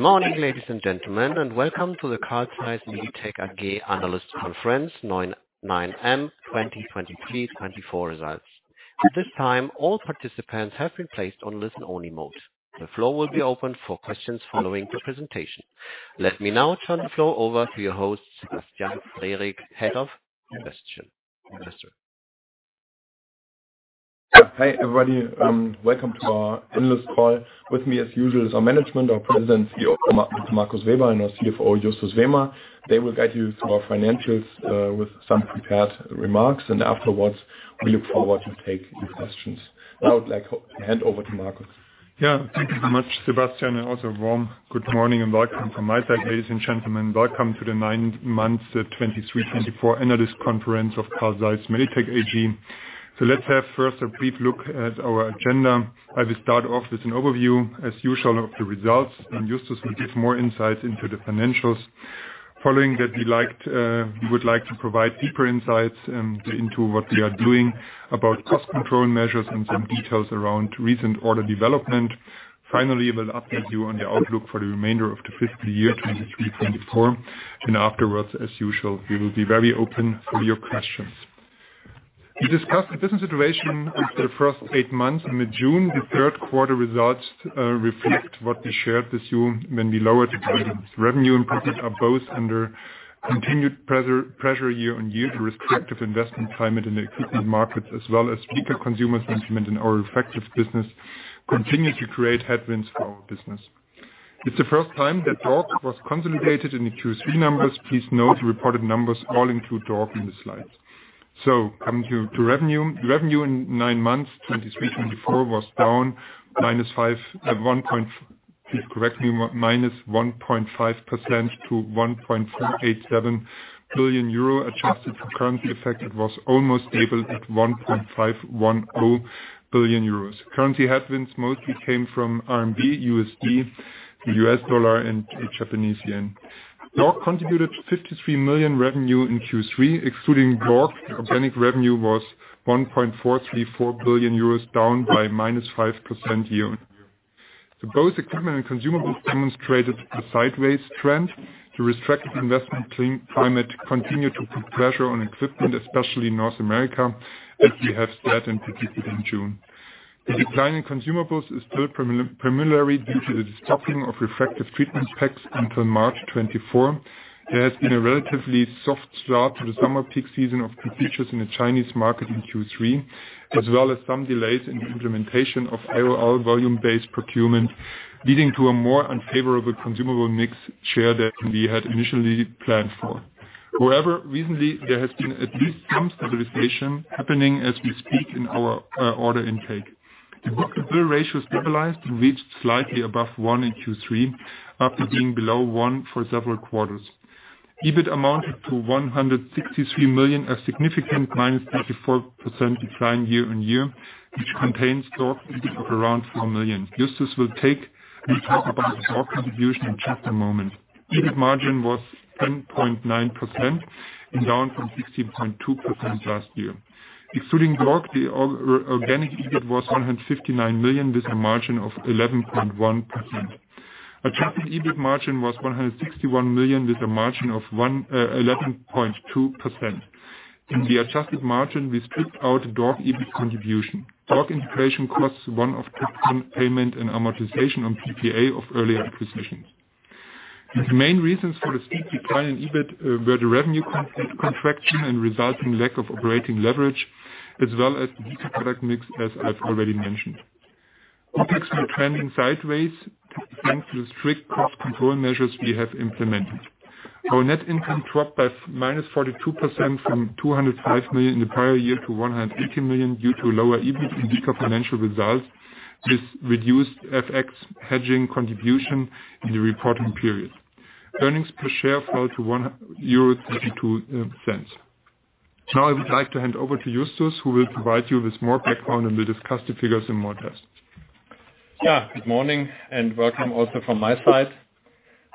Good morning, ladies and gentlemen, and welcome to the Carl Zeiss Meditec AG Analysts Conference, 9 Months 2023-2024 results. At this time, all participants have been placed on listen-only mode. The floor will be open for questions following the presentation. Let me now turn the floor over to your host, Sebastian Frericks, Head of Investor Relations. Hi everybody, welcome to our analyst call. With me, as usual, is our management, our President, CEO Markus Weber, and our CFO, Justus Wehmer. They will guide you through our financials with some prepared remarks, and afterwards we look forward to taking questions. Now I'd like to hand over to Markus. Yeah, thank you so much, Sebastian. Also a warm good morning and welcome from my side, ladies and gentlemen. Welcome to the 9 Months 2023-2024 Analysts Conference of Carl Zeiss Meditec AG. Let's have first a brief look at our agenda. I will start off with an overview, as usual, of the results, and Justus will give more insights into the financials. Following that, we would like to provide deeper insights into what we are doing about cost control measures and some details around recent order development. Finally, we'll update you on the outlook for the remainder of the fiscal year 2023-24. Afterwards, as usual, we will be very open for your questions. We discussed the business situation for the first eight months in mid-June. The third quarter results reflect what we shared with you when we lowered revenue. Revenue and profit are both under continued pressure year-on-year due to restricted investment climate in the equipment markets, as well as weaker consumer sentiment in our elective business continues to create headwinds for our business. It's the first time that DORC was consolidated in the Q3 numbers. Please note the reported numbers all include DORC in the slides. So coming to revenue, revenue in nine months, 2023-24, was down -1.5%, correct me, -1.5% to 1.487 billion euro, adjusted for currency effect. It was almost stable at 1.510 billion euros. Currency headwinds mostly came from RMB, USD, the U.S. dollar, and the Japanese yen. DORC contributed 53 million revenue in Q3. Excluding DORC, organic revenue was 1.434 billion euros, down by -5% year-on-year. So both equipment and consumables demonstrated a sideways trend. The restricted investment climate continued to put pressure on equipment, especially in North America, as we have said in particular in June. The decline in consumables is still primarily due to the destocking of refractive treatment packs until March 2024. There has been a relatively soft start to the summer peak season of procedures in the Chinese market in Q3, as well as some delays in the implementation of IOL volume-based procurement, leading to a more unfavorable consumable mix share than we had initially planned for. However, recently, there has been at least some stabilization happening as we speak in our order intake. The book-to-bill ratio stabilized and reached slightly above one in Q3 after being below one for several quarters. EBIT amounted to 163 million, a significant -34% decline year-over-year, which contains DORC indeed of around 4 million. Justus, we'll talk about the DORC contribution in just a moment. EBIT margin was 10.9% and down from 16.2% last year. Excluding DORC, the organic EBIT was 159 million with a margin of 11.1%. Adjusted EBIT was 161 million with a margin of 11.2%. In the adjusted margin, we split out the DORC EBIT contribution. DORC integration costs, one-off payments and amortization on PPA of earlier acquisitions. The main reasons for the steep decline in EBIT were the revenue contraction and resulting lack of operating leverage, as well as the mix as I've already mentioned. We've kept the trend sideways thanks to the strict cost control measures we have implemented. Our net income dropped by -42% from 205 million in the prior year to 180 million due to lower EBIT and weaker financial results, with reduced FX hedging contribution in the reporting period. Earnings per share fell to 1.32 euro. Now I would like to hand over to Justus, who will provide you with more background and will discuss the figures in more depth. Yeah, good morning and welcome also from my side.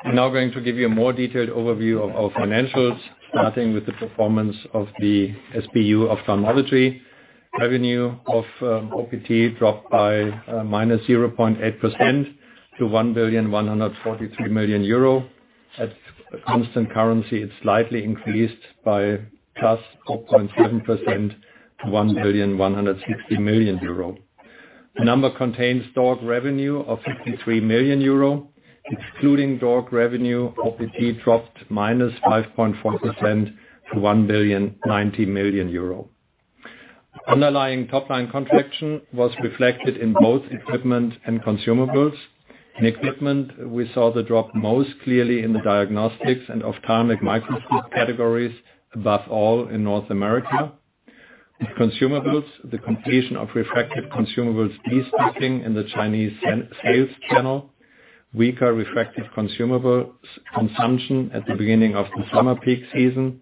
I'm now going to give you a more detailed overview of our financials, starting with the performance of the SBU of Ophthalmic Technologies. Revenue of OPT dropped by -0.8% to 1,143 million euro. At constant currency, it slightly increased by +0.7% to 1,160 million euro. The number contains DORC revenue of 53 million euro. Excluding DORC revenue, OPT dropped -5.4% to 1,090 million euro. Underlying top-line contraction was reflected in both equipment and consumables. In equipment, we saw the drop most clearly in the diagnostics and optometry microscope categories, above all in North America. With consumables, the completion of refractive consumables destocking in the Chinese sales channel, weaker refractive consumables consumption at the beginning of the summer peak season,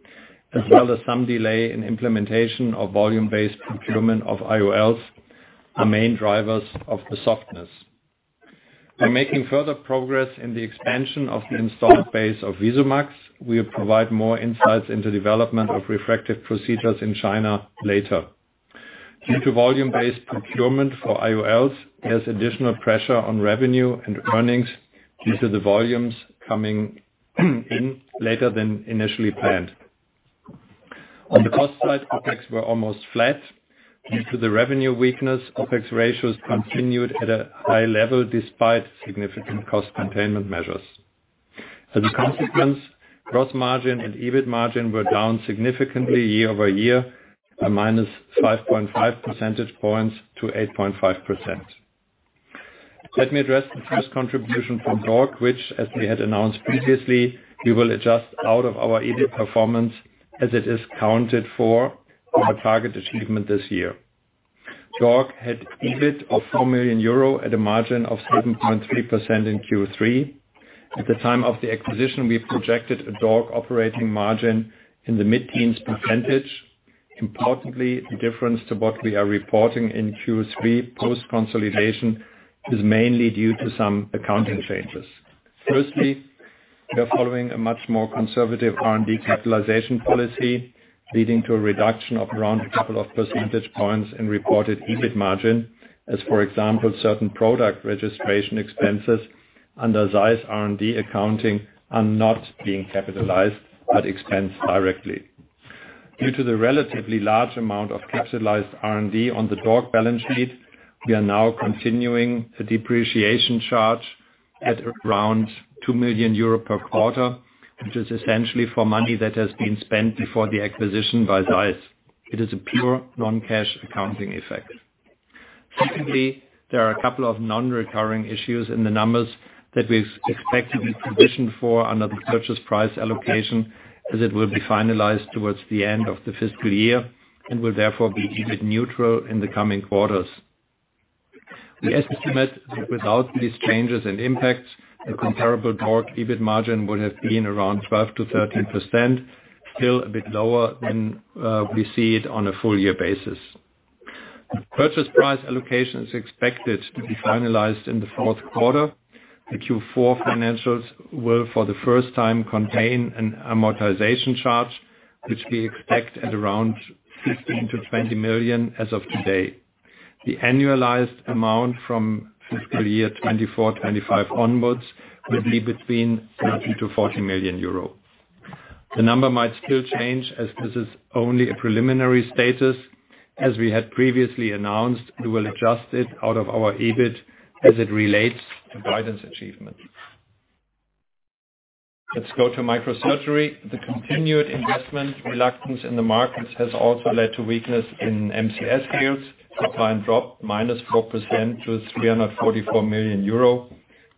as well as some delay in implementation of volume-based procurement of IOLs, the main drivers of the softness. By making further progress in the expansion of the installed base of VISUMAX, we will provide more insights into the development of refractive procedures in China later. Due to volume-based procurement for IOLs, there's additional pressure on revenue and earnings due to the volumes coming in later than initially planned. On the cost side, OPEX were almost flat. Due to the revenue weakness, OPEX ratios continued at a high level despite significant cost containment measures. As a consequence, gross margin and EBIT margin were down significantly year-over-year by minus 5.5 percentage points to 8.5%. Let me address the first contribution from D.O.R.C., which, as we had announced previously, we will adjust out of our EBIT performance as it is counted for our target achievement this year. D.O.R.C. had EBIT of 4 million euro at a margin of 7.3% in Q3. At the time of the acquisition, we projected a D.O.R.C. operating margin in the mid-teens %. Importantly, the difference to what we are reporting in Q3 post-consolidation is mainly due to some accounting changes. Firstly, we are following a much more conservative R&D capitalization policy, leading to a reduction of around a couple of percentage points in reported EBIT margin, as for example, certain product registration expenses under Zeiss R&D accounting are not being capitalized but expensed directly. Due to the relatively large amount of capitalized R&D on the DORC balance sheet, we are now continuing the depreciation charge at around 2 million euro per quarter, which is essentially for money that has been spent before the acquisition by ZEISS. It is a pure non-cash accounting effect. Secondly, there are a couple of non-recurring issues in the numbers that we expected to be positioned for under the purchase price allocation, as it will be finalized towards the end of the fiscal year and will therefore be EBIT neutral in the coming quarters. We estimate that without these changes and impacts, a comparable DORC EBIT margin would have been around 12%-13%, still a bit lower than we see it on a full-year basis. The purchase price allocation is expected to be finalized in the fourth quarter. The Q4 financials will, for the first time, contain an amortization charge, which we expect at around 15 million-20 million as of today. The annualized amount from fiscal year 2024, 2025 onwards will be between 19 million-40 million euro. The number might still change as this is only a preliminary status. As we had previously announced, we will adjust it out of our EBIT as it relates to guidance achievements. Let's go to microsurgery. The continued investment reluctance in the markets has also led to weakness in MCS fields. Supply dropped -4% to 344 million euro.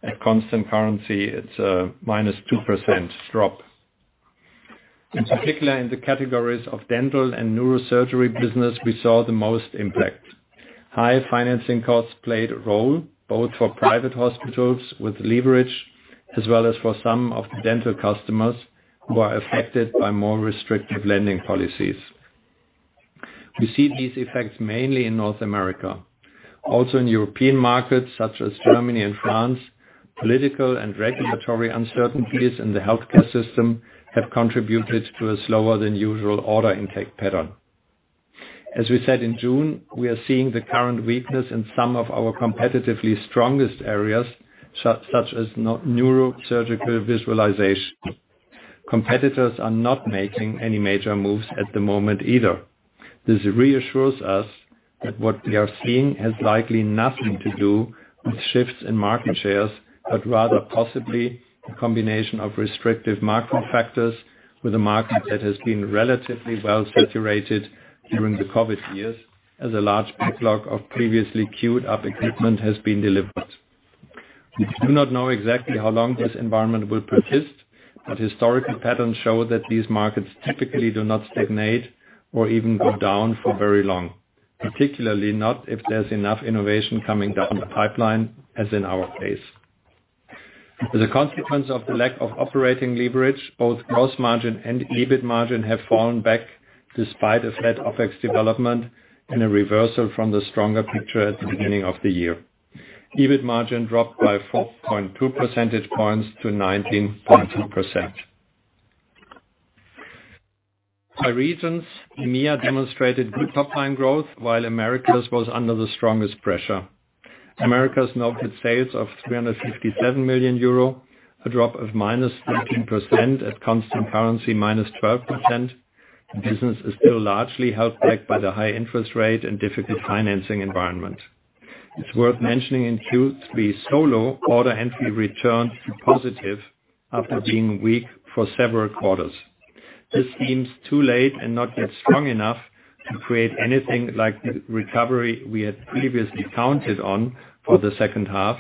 At constant currency, it's a -2% drop. In particular, in the categories of dental and neurosurgery business, we saw the most impact. High financing costs played a role, both for private hospitals with leverage, as well as for some of the dental customers who are affected by more restrictive lending policies. We see these effects mainly in North America. Also in European markets such as Germany and France, political and regulatory uncertainties in the healthcare system have contributed to a slower than usual order intake pattern. As we said in June, we are seeing the current weakness in some of our competitively strongest areas, such as neurosurgical visualization. Competitors are not making any major moves at the moment either. This reassures us that what we are seeing has likely nothing to do with shifts in market shares, but rather possibly a combination of restrictive macro factors with a market that has been relatively well saturated during the COVID years, as a large backlog of previously queued-up equipment has been delivered. We do not know exactly how long this environment will persist, but historical patterns show that these markets typically do not stagnate or even go down for very long, particularly not if there's enough innovation coming down the pipeline, as in our case. As a consequence of the lack of operating leverage, both gross margin and EBIT margin have fallen back despite a flat OPEX development and a reversal from the stronger picture at the beginning of the year. EBIT margin dropped by 4.2 percentage points to 19.2%. By regions, EMEA demonstrated good top-line growth, while Americas was under the strongest pressure. Americas noted sales of 357 million euro, a drop of -13% at constant currency -12%. Business is still largely held back by the high interest rate and difficult financing environment. It's worth mentioning in Q3 solo order entry returned to positive after being weak for several quarters. This seems too late and not yet strong enough to create anything like the recovery we had previously counted on for the second half,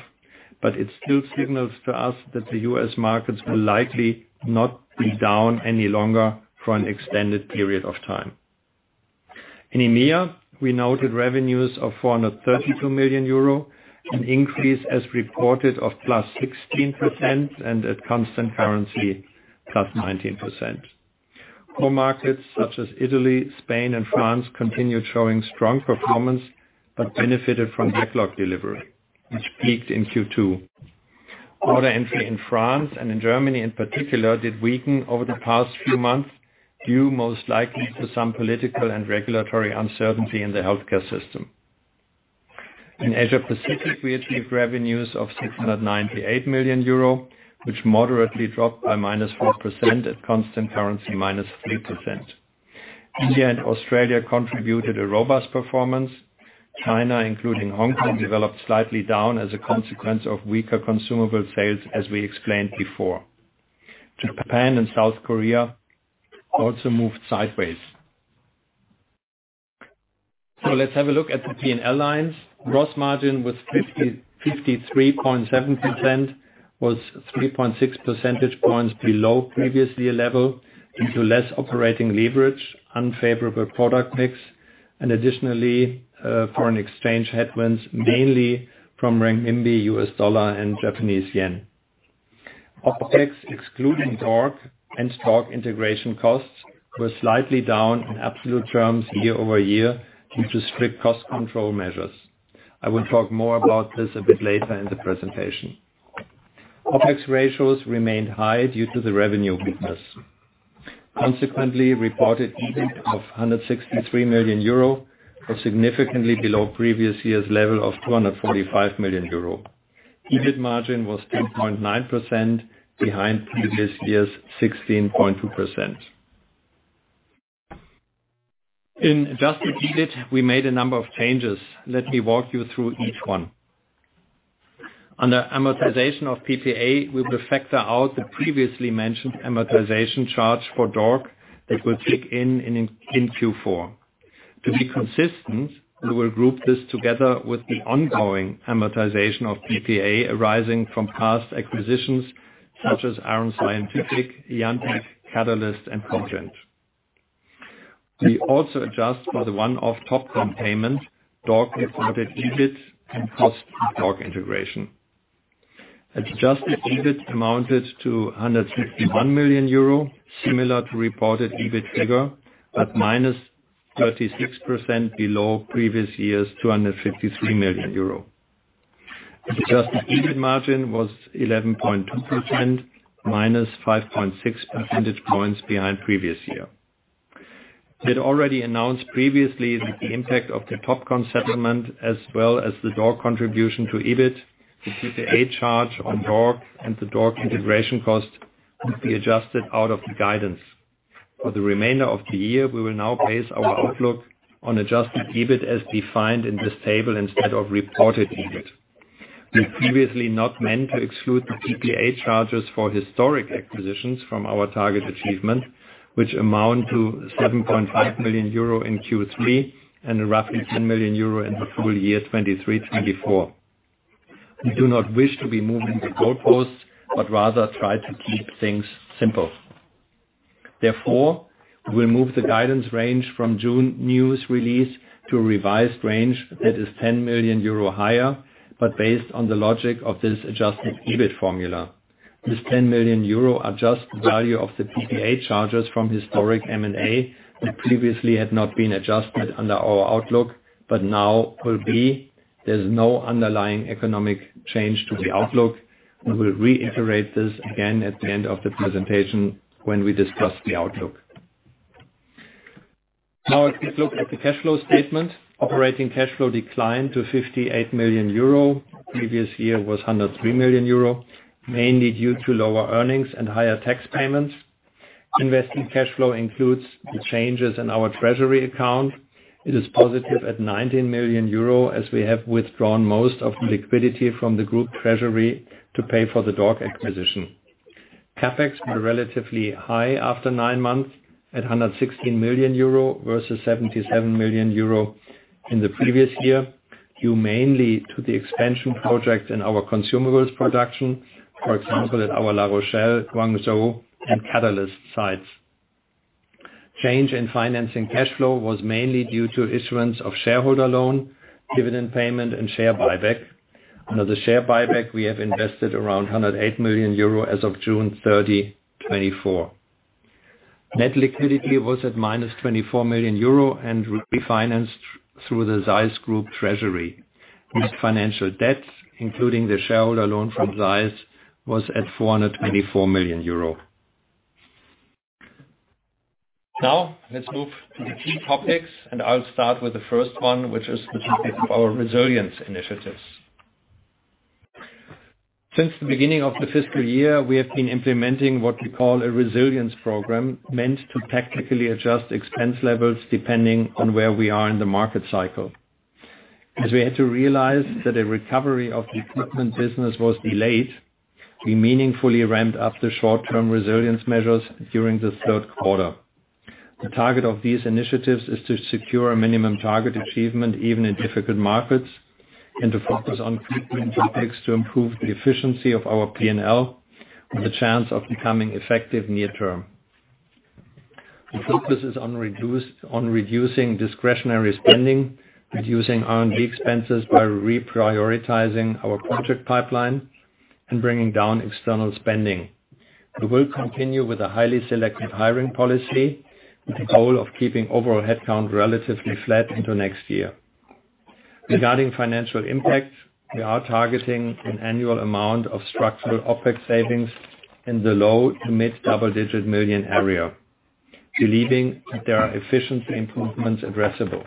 but it still signals to us that the U.S. markets will likely not be down any longer for an extended period of time. In EMEA, we noted revenues of 432 million euro, an increase as reported of +16% and at constant currency +19%. Core markets such as Italy, Spain, and France continued showing strong performance but benefited from backlog delivery, which peaked in Q2. Order entry in France and in Germany in particular did weaken over the past few months due most likely to some political and regulatory uncertainty in the healthcare system. In Asia-Pacific, we achieved revenues of 698 million euro, which moderately dropped by -4% at constant currency -3%. India and Australia contributed a robust performance. China, including Hong Kong, developed slightly down as a consequence of weaker consumable sales, as we explained before. Japan and South Korea also moved sideways. Let's have a look at the P&L lines. Gross margin was 53.7%, was 3.6 percentage points below previously a level due to less operating leverage, unfavorable product mix, and additionally foreign exchange headwinds mainly from renminbi, U.S. dollar, and Japanese yen. OPEX, excluding D.O.R.C. and D.O.R.C. integration costs, were slightly down in absolute terms year-over-year due to strict cost control measures. I will talk more about this a bit later in the presentation. OPEX ratios remained high due to the revenue weakness. Consequently, reported EBIT of 163 million euro was significantly below previous year's level of 245 million euro. EBIT margin was 10.9%, behind previous year's 16.2%. In adjusted EBIT, we made a number of changes. Let me walk you through each one. Under amortization of PPA, we will factor out the previously mentioned amortization charge for DORC that will kick in in Q4. To be consistent, we will group this together with the ongoing amortization of PPA arising from past acquisitions such as Aaren Scientific, IanTECH, Katalyst Surgical, and Kogent Surgical. We also adjust for the one-off top-line payment, DORC reported EBIT, and cost of DORC integration. Adjusted EBIT amounted to 161 million euro, similar to reported EBIT figure, but minus 36% below previous year's 253 million euro. Adjusted EBIT margin was 11.2%, minus 5.6 percentage points behind previous year. We had already announced previously that the impact of the Topcon settlement, as well as the DORC contribution to EBIT, the PPA charge on DORC and the DORC integration cost, would be adjusted out of the guidance. For the remainder of the year, we will now base our outlook on adjusted EBIT as defined in this table instead of reported EBIT. We previously not meant to exclude the PPA charges for historic acquisitions from our target achievement, which amount to 7.5 million euro in Q3 and roughly 10 million euro in the full year 2023/2024. We do not wish to be moving the goalposts, but rather try to keep things simple. Therefore, we will move the guidance range from June news release to a revised range that is 10 million euro higher, but based on the logic of this adjusted EBIT formula. This 10 million euro adjusts the value of the PPA charges from historic M&A that previously had not been adjusted under our outlook, but now will be. There's no underlying economic change to the outlook. We will reiterate this again at the end of the presentation when we discuss the outlook. Now, let's look at the cash flow statement. Operating cash flow declined to 58 million euro. Previous year was 103 million euro, mainly due to lower earnings and higher tax payments. Investment cash flow includes the changes in our treasury account. It is positive at 19 million euro, as we have withdrawn most of the liquidity from the group treasury to pay for the D.O.R.C. acquisition. CapEx were relatively high after nine months at 116 million euro versus 77 million euro in the previous year, due mainly to the expansion projects in our consumables production, for example, at our La Rochelle, Guangzhou, and Katalyst sites. Change in financing cash flow was mainly due to issuance of shareholder loan, dividend payment, and share buyback. Under the share buyback, we have invested around 108 million euro as of June 30, 2024. Net liquidity was at minus 24 million euro and refinanced through the Zeiss Group treasury. Net financial debt, including the shareholder loan from Zeiss, was at 424 million euro. Now, let's move to the key topics, and I'll start with the first one, which is the topic of our resilience initiatives. Since the beginning of the fiscal year, we have been implementing what we call a resilience program, meant to tactically adjust expense levels depending on where we are in the market cycle. As we had to realize that a recovery of the equipment business was delayed, we meaningfully ramped up the short-term resilience measures during the third quarter. The target of these initiatives is to secure a minimum target achievement even in difficult markets and to focus on critical topics to improve the efficiency of our P&L and the chance of becoming effective near term. The focus is on reducing discretionary spending, reducing R&D expenses by reprioritizing our project pipeline, and bringing down external spending. We will continue with a highly selective hiring policy with the goal of keeping overall headcount relatively flat into next year. Regarding financial impact, we are targeting an annual amount of structural OPEX savings in the low- to mid-double-digit million area, believing that there are efficiency improvements addressable.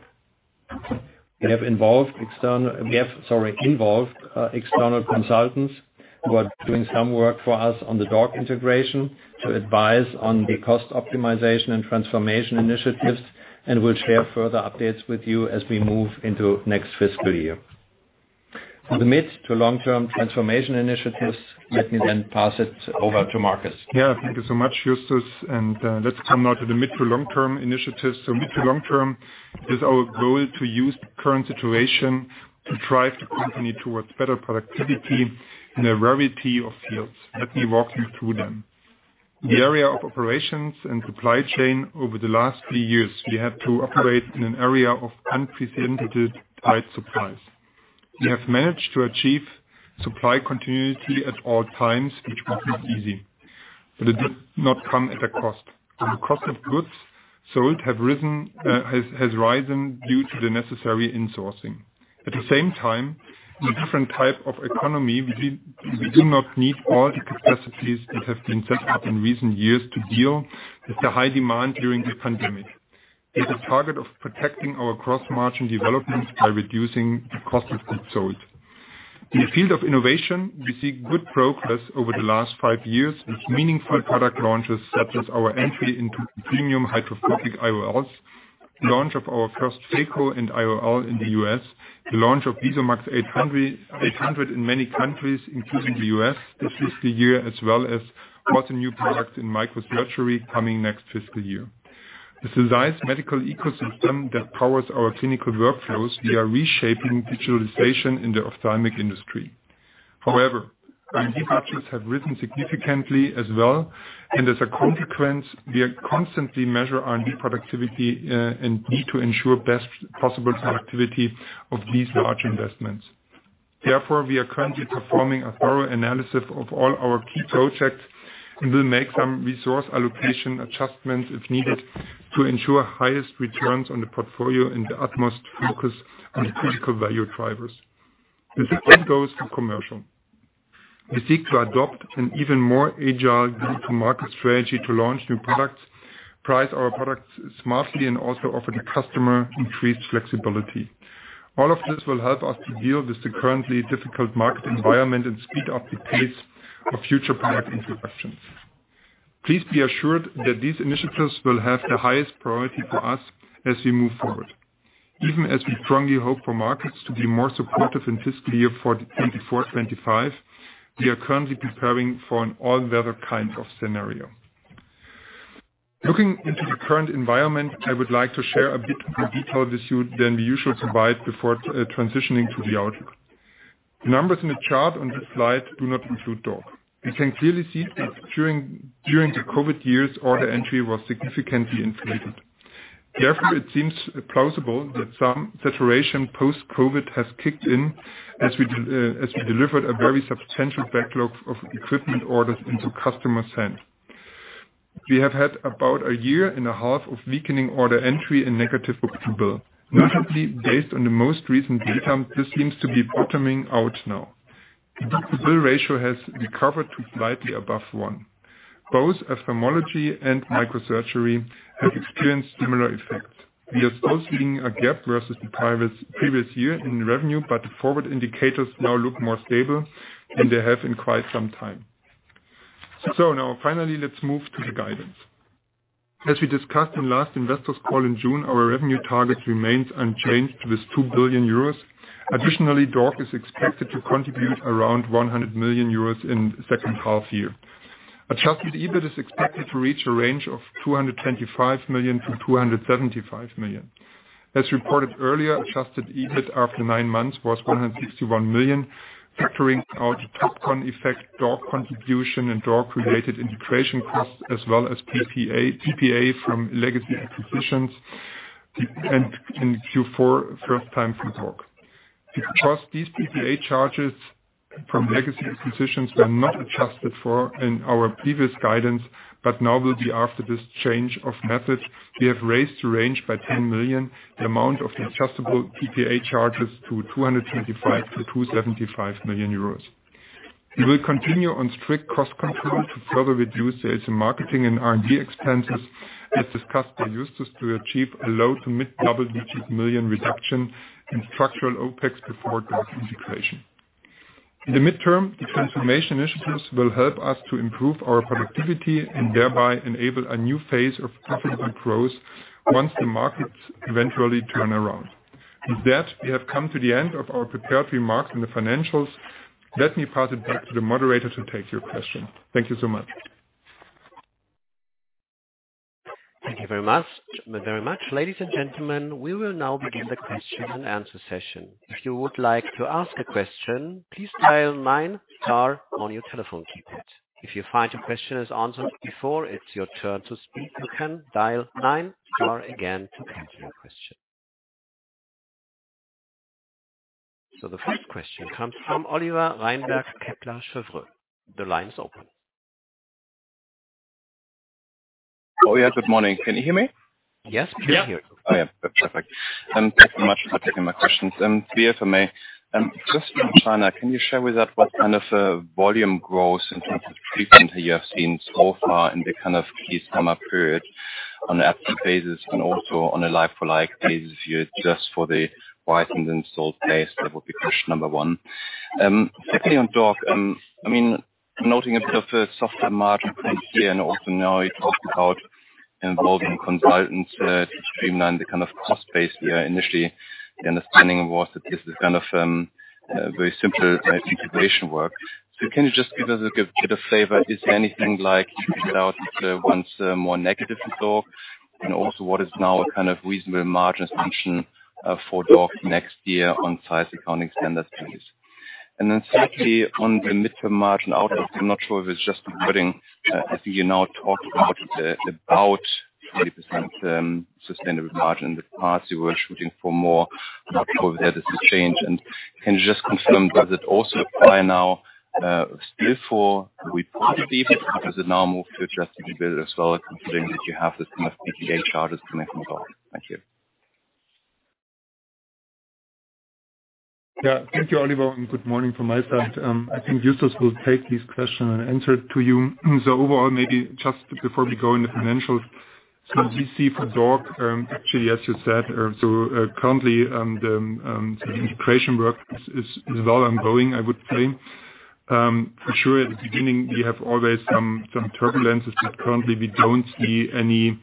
We have involved external consultants who are doing some work for us on the DORC integration to advise on the cost optimization and transformation initiatives and will share further updates with you as we move into next fiscal year. For the mid- to long-term transformation initiatives, let me then pass it over to Markus. Yeah, thank you so much, Justus. Let's come now to the mid- to long-term initiatives. Mid- to long-term, it is our goal to use the current situation to drive the company towards better productivity in a variety of fields. Let me walk you through them. In the area of operations and supply chain over the last three years, we had to operate in an area of unprecedented tight supplies. We have managed to achieve supply continuity at all times, which was not easy, but it did not come at a cost. The cost of goods sold has risen due to the necessary insourcing. At the same time, in a different type of economy, we do not need all the capacities that have been set up in recent years to deal with the high demand during the pandemic. We have a target of protecting our gross margin developments by reducing the cost of goods sold. In the field of innovation, we see good progress over the last five years with meaningful product launches such as our entry into premium hydrophobic IOLs, the launch of our first phaco and IOL in the U.S., the launch of VISUMAX 800 in many countries, including the U.S., this fiscal year, as well as four new products in microsurgery coming next fiscal year. With the ZEISS Medical Ecosystem that powers our clinical workflows, we are reshaping digitalization in the ophthalmic industry. However, R&D budgets have risen significantly as well, and as a consequence, we constantly measure R&D productivity and need to ensure best possible productivity of these large investments. Therefore, we are currently performing a thorough analysis of all our key projects and will make some resource allocation adjustments if needed to ensure highest returns on the portfolio in the utmost focus on the critical value drivers. This all goes to commercial. We seek to adopt an even more agile go-to-market strategy to launch new products, price our products smartly, and also offer the customer increased flexibility. All of this will help us to deal with the currently difficult market environment and speed up the pace of future product introductions. Please be assured that these initiatives will have the highest priority for us as we move forward. Even as we strongly hope for markets to be more supportive in fiscal year 2024-2025, we are currently preparing for an all-weather kind of scenario. Looking into the current environment, I would like to share a bit more detail with you than we usually provide before transitioning to the outlook. The numbers in the chart on this slide do not include DORC. We can clearly see that during the COVID years, order entry was significantly inflated. Therefore, it seems plausible that some saturation post-COVID has kicked in as we delivered a very substantial backlog of equipment orders into customer's hands. We have had about a year and a half of weakening order entry and negative book-to-bill. Notably, based on the most recent data, this seems to be bottoming out now. The book-to-bill ratio has recovered to slightly above one. Both ophthalmology and microsurgery have experienced similar effects. We are still seeing a gap versus the previous year in revenue, but the forward indicators now look more stable than they have in quite some time. So now, finally, let's move to the guidance. As we discussed in last investors' call in June, our revenue target remains unchanged to this 2 billion euros. Additionally, DORC is expected to contribute around 100 million euros in the second half year. Adjusted EBIT is expected to reach a range of 225 million-275 million. As reported earlier, adjusted EBIT after nine months was 161 million, factoring out the Topcon effect, D.O.R.C. contribution, and D.O.R.C.-related integration costs, as well as PPA from legacy acquisitions and in Q4 first time from D.O.R.C. Because these PPA charges from legacy acquisitions were not adjusted for in our previous guidance, but now will be after this change of method, we have raised the range by 10 million, the amount of the adjustable PPA charges to 225-275 million euros. We will continue on strict cost control to further reduce sales and marketing and R&D expenses, as discussed by Justus, to achieve a low to mid double-digit million reduction in structural OPEX before D.O.R.C. integration. In the midterm, the transformation initiatives will help us to improve our productivity and thereby enable a new phase of profitable growth once the markets eventually turn around. With that, we have come to the end of our prepared remarks in the financials. Let me pass it back to the moderator to take your question. Thank you so much. Thank you very much. Ladies and gentlemen, we will now begin the question and answer session. If you would like to ask a question, please dial 9* on your telephone keypad. If you find your question is answered before it's your turn to speak, you can dial 9* again to enter your question. So the first question comes from Oliver Reinberg of Kepler Cheuvreux. The line is open. Oh, yeah. Good morning. Can you hear me? Yes, we can hear you. Yeah. Oh, yeah. Perfect. Thanks so much for taking my questions. If I may, just from China, can you share with us what kind of volume growth in terms of treatment you have seen so far in the kind of key summer period on an actual basis and also on a like-for-like basis here, just for the installed base? That would be question number one. Secondly, on DORC, I mean, noting a bit of a softer margin point here, and also now you talked about involving consultants to streamline the kind of cost base here. Initially, the understanding was that this is kind of very simple integration work. So can you just give us a bit of flavor? Is there anything like you figured out that's more negative in DORC? And also, what is now a kind of reasonable margin assumption for DORC next year on ZEISS accounting standards? And then secondly, on the mid-term margin outlook, I'm not sure if it's just the wording. I think you now talked about about 40% sustainable margin in the past. You were shooting for more. I'm not sure if that is the change. And can you just confirm, does it also apply now still for reported EBIT, or does it now move to adjusted EBIT as well, considering that you have this kind of PPA charges coming from D.O.R.C.? Thank you. Yeah. Thank you, Oliver, and good morning from my side. I think Justus will take these questions and answer to you. So overall, maybe just before we go in the financials, so we see for D.O.R.C., actually, as you said, so currently, the integration work is well ongoing, I would say. For sure, at the beginning, we have always some turbulences, but currently, we don't see any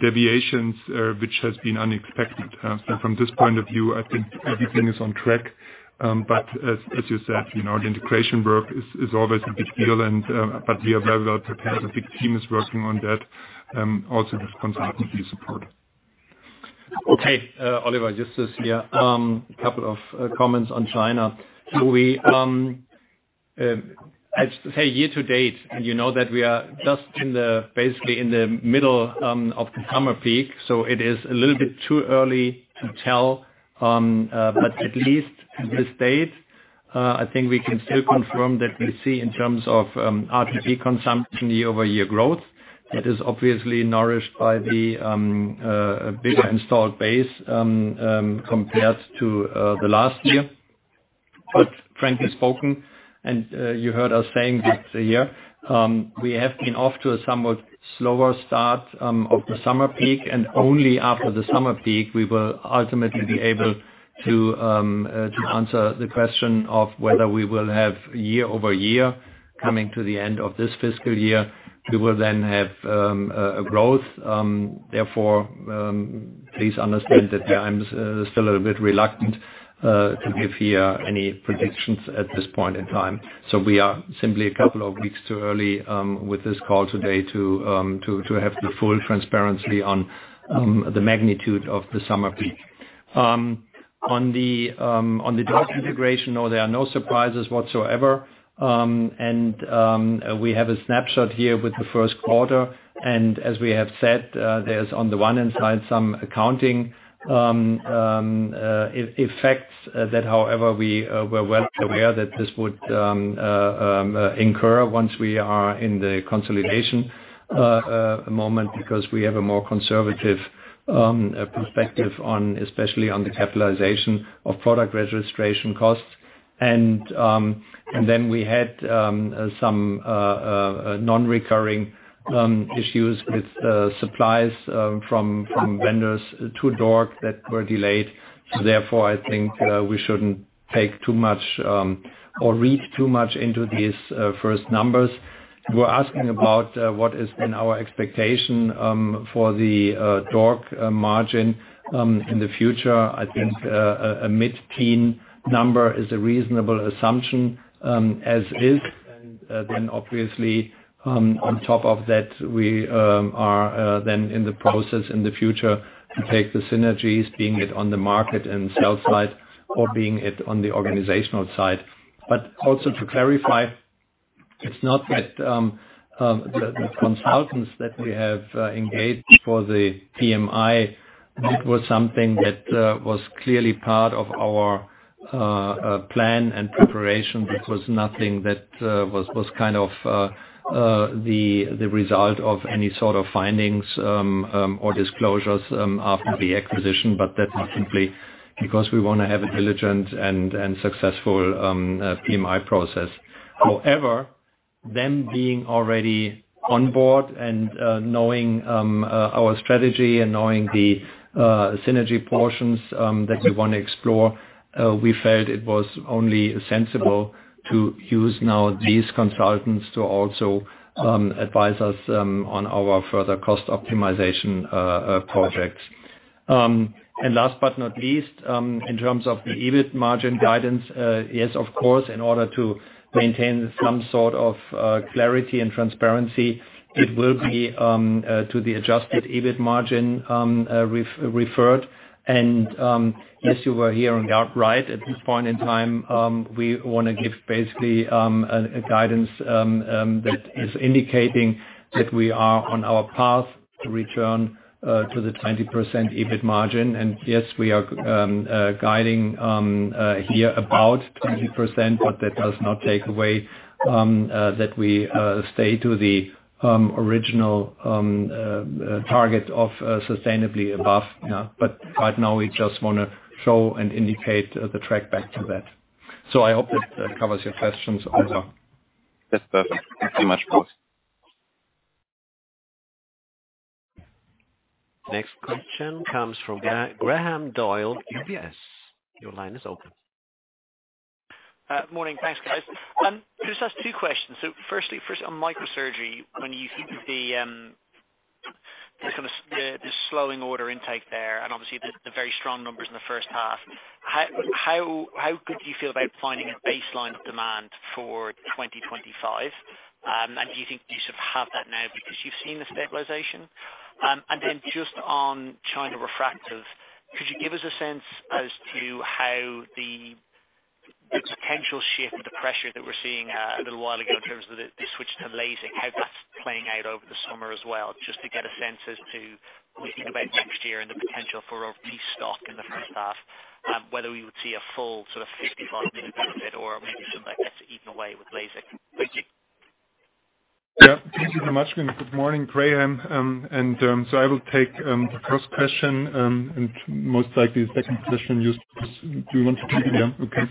deviations, which has been unexpected. So from this point of view, I think everything is on track. But as you said, the integration work is always a big deal, but we are very well prepared. A big team is working on that, also with consultancy support. Okay. Oliver, Justus here. A couple of comments on China. Look, I'd say year to date, and you know that we are just basically in the middle of the summer peak, so it is a little bit too early to tell, but at least at this date, I think we can still confirm that we see in terms of RTP consumption year-over-year growth that is obviously nourished by the bigger installed base compared to the last year. But frankly spoken, and you heard us saying this here, we have been off to a somewhat slower start of the summer peak, and only after the summer peak, we will ultimately be able to answer the question of whether we will have year-over-year coming to the end of this fiscal year. We will then have a growth. Therefore, please understand that I'm still a little bit reluctant to give here any predictions at this point in time. So we are simply a couple of weeks too early with this call today to have the full transparency on the magnitude of the summer peak. On the DORC integration, no, there are no surprises whatsoever, and we have a snapshot here with the first quarter. As we have said, there's on the one hand side some accounting effects that, however, we were well aware that this would incur once we are in the consolidation moment because we have a more conservative perspective on, especially on the capitalization of product registration costs. Then we had some non-recurring issues with supplies from vendors to DORC that were delayed. Therefore, I think we shouldn't take too much or read too much into these first numbers. You were asking about what is in our expectation for the DORC margin in the future. I think a mid-teen number is a reasonable assumption as is. Then obviously, on top of that, we are then in the process in the future to take the synergies, being it on the market and sales side or being it on the organizational side. But also, to clarify, it's not that the consultants that we have engaged for the PMI; it was something that was clearly part of our plan and preparation. It was nothing that was kind of the result of any sort of findings or disclosures after the acquisition, but that's simply because we want to have a diligent and successful PMI process. However, them being already on board and knowing our strategy and knowing the synergy portions that we want to explore, we felt it was only sensible to use now these consultants to also advise us on our further cost optimization projects. And last but not least, in terms of the EBIT margin guidance, yes, of course, in order to maintain some sort of clarity and transparency, it will be to the adjusted EBIT margin referred. And as you were hearing, right, at this point in time, we want to give basically a guidance that is indicating that we are on our path to return to the 20% EBIT margin. And yes, we are guiding here about 20%, but that does not take away that we stay to the original target of sustainably above. But right now, we just want to show and indicate the track back to that. So I hope that covers your questions, Oliver. Yes, perfect. Thank you very much. Next question comes from Graham Doyle, UBS. Your line is open. Good morning. Thanks, guys. Just ask two questions. So firstly, for microsurgery, when you think of the slowing order intake there and obviously the very strong numbers in the first half, how good do you feel about finding a baseline demand for 2025? And do you think you sort of have that now because you've seen the stabilization? And then just on China refractive, could you give us a sense as to how the potential shift of the pressure that we're seeing a little while ago in terms of the switch to LASIK, how that's playing out over the summer as well, just to get a sense as to what we think about next year and the potential for a restock in the first half, whether we would see a full sort of 55 million benefit or maybe something that gets eaten away with LASIK? Thank you. Yeah. Thank you very much. Good morning, Graham. And so I will take the first question and most likely the second question, Justus. Do you want to take it? Yeah. Okay.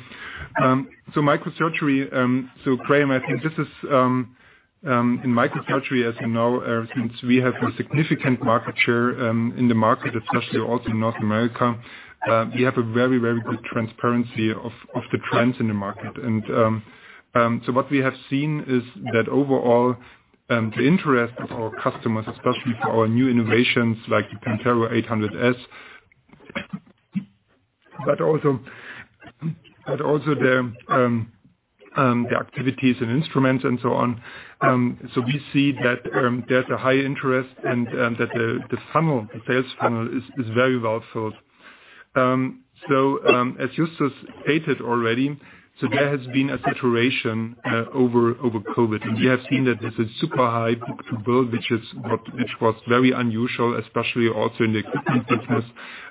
So microsurgery, so Graham, I think this is in microsurgery, as you know, since we have a significant market share in the market, especially also in North America, we have a very, very good transparency of the trends in the market. And so what we have seen is that overall, the interest of our customers, especially for our new innovations like the PENTERO 800, but also the activities and instruments and so on. So we see that there's a high interest and that the sales funnel is very well filled. So as Justus stated already, so there has been a saturation over COVID. We have seen that there's a super high book-to-bill, which was very unusual, especially also in the equipment business.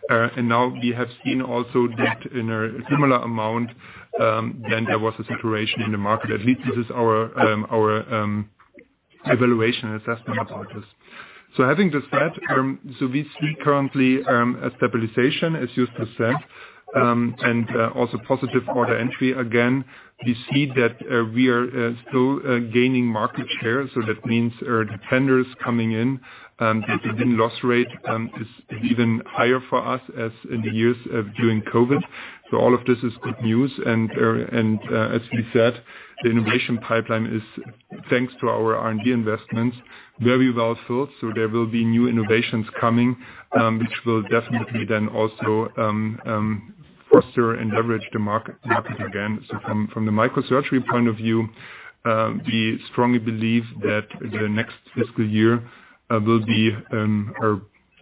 And now we have seen also that in a similar amount, then there was a saturation in the market. At least this is our evaluation assessment about this. So having this said, so we see currently a stabilization, as Justus said, and also positive order entry. Again, we see that we are still gaining market share. So that means vendors coming in. The win-loss rate is even higher for us as in the years during COVID. So all of this is good news. And as we said, the innovation pipeline is, thanks to our R&D investments, very well filled. So there will be new innovations coming, which will definitely then also foster and leverage the market again. So from the microsurgery point of view, we strongly believe that the next fiscal year will be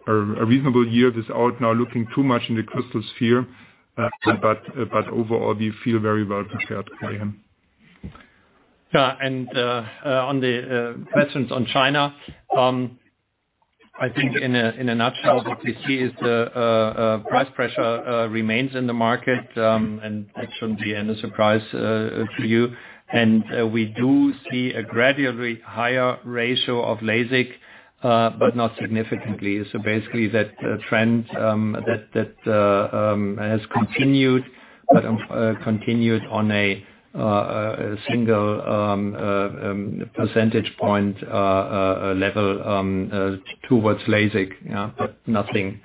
a reasonable year without now looking too much in the crystal sphere. But overall, we feel very well prepared, Graham. Yeah. On the questions on China, I think in a nutshell, what we see is the price pressure remains in the market, and that shouldn't be any surprise to you. We do see a gradually higher ratio of LASIK, but not significantly. So basically, that trend that has continued, but continued on a single percentage point level towards LASIK. Yeah. But nothing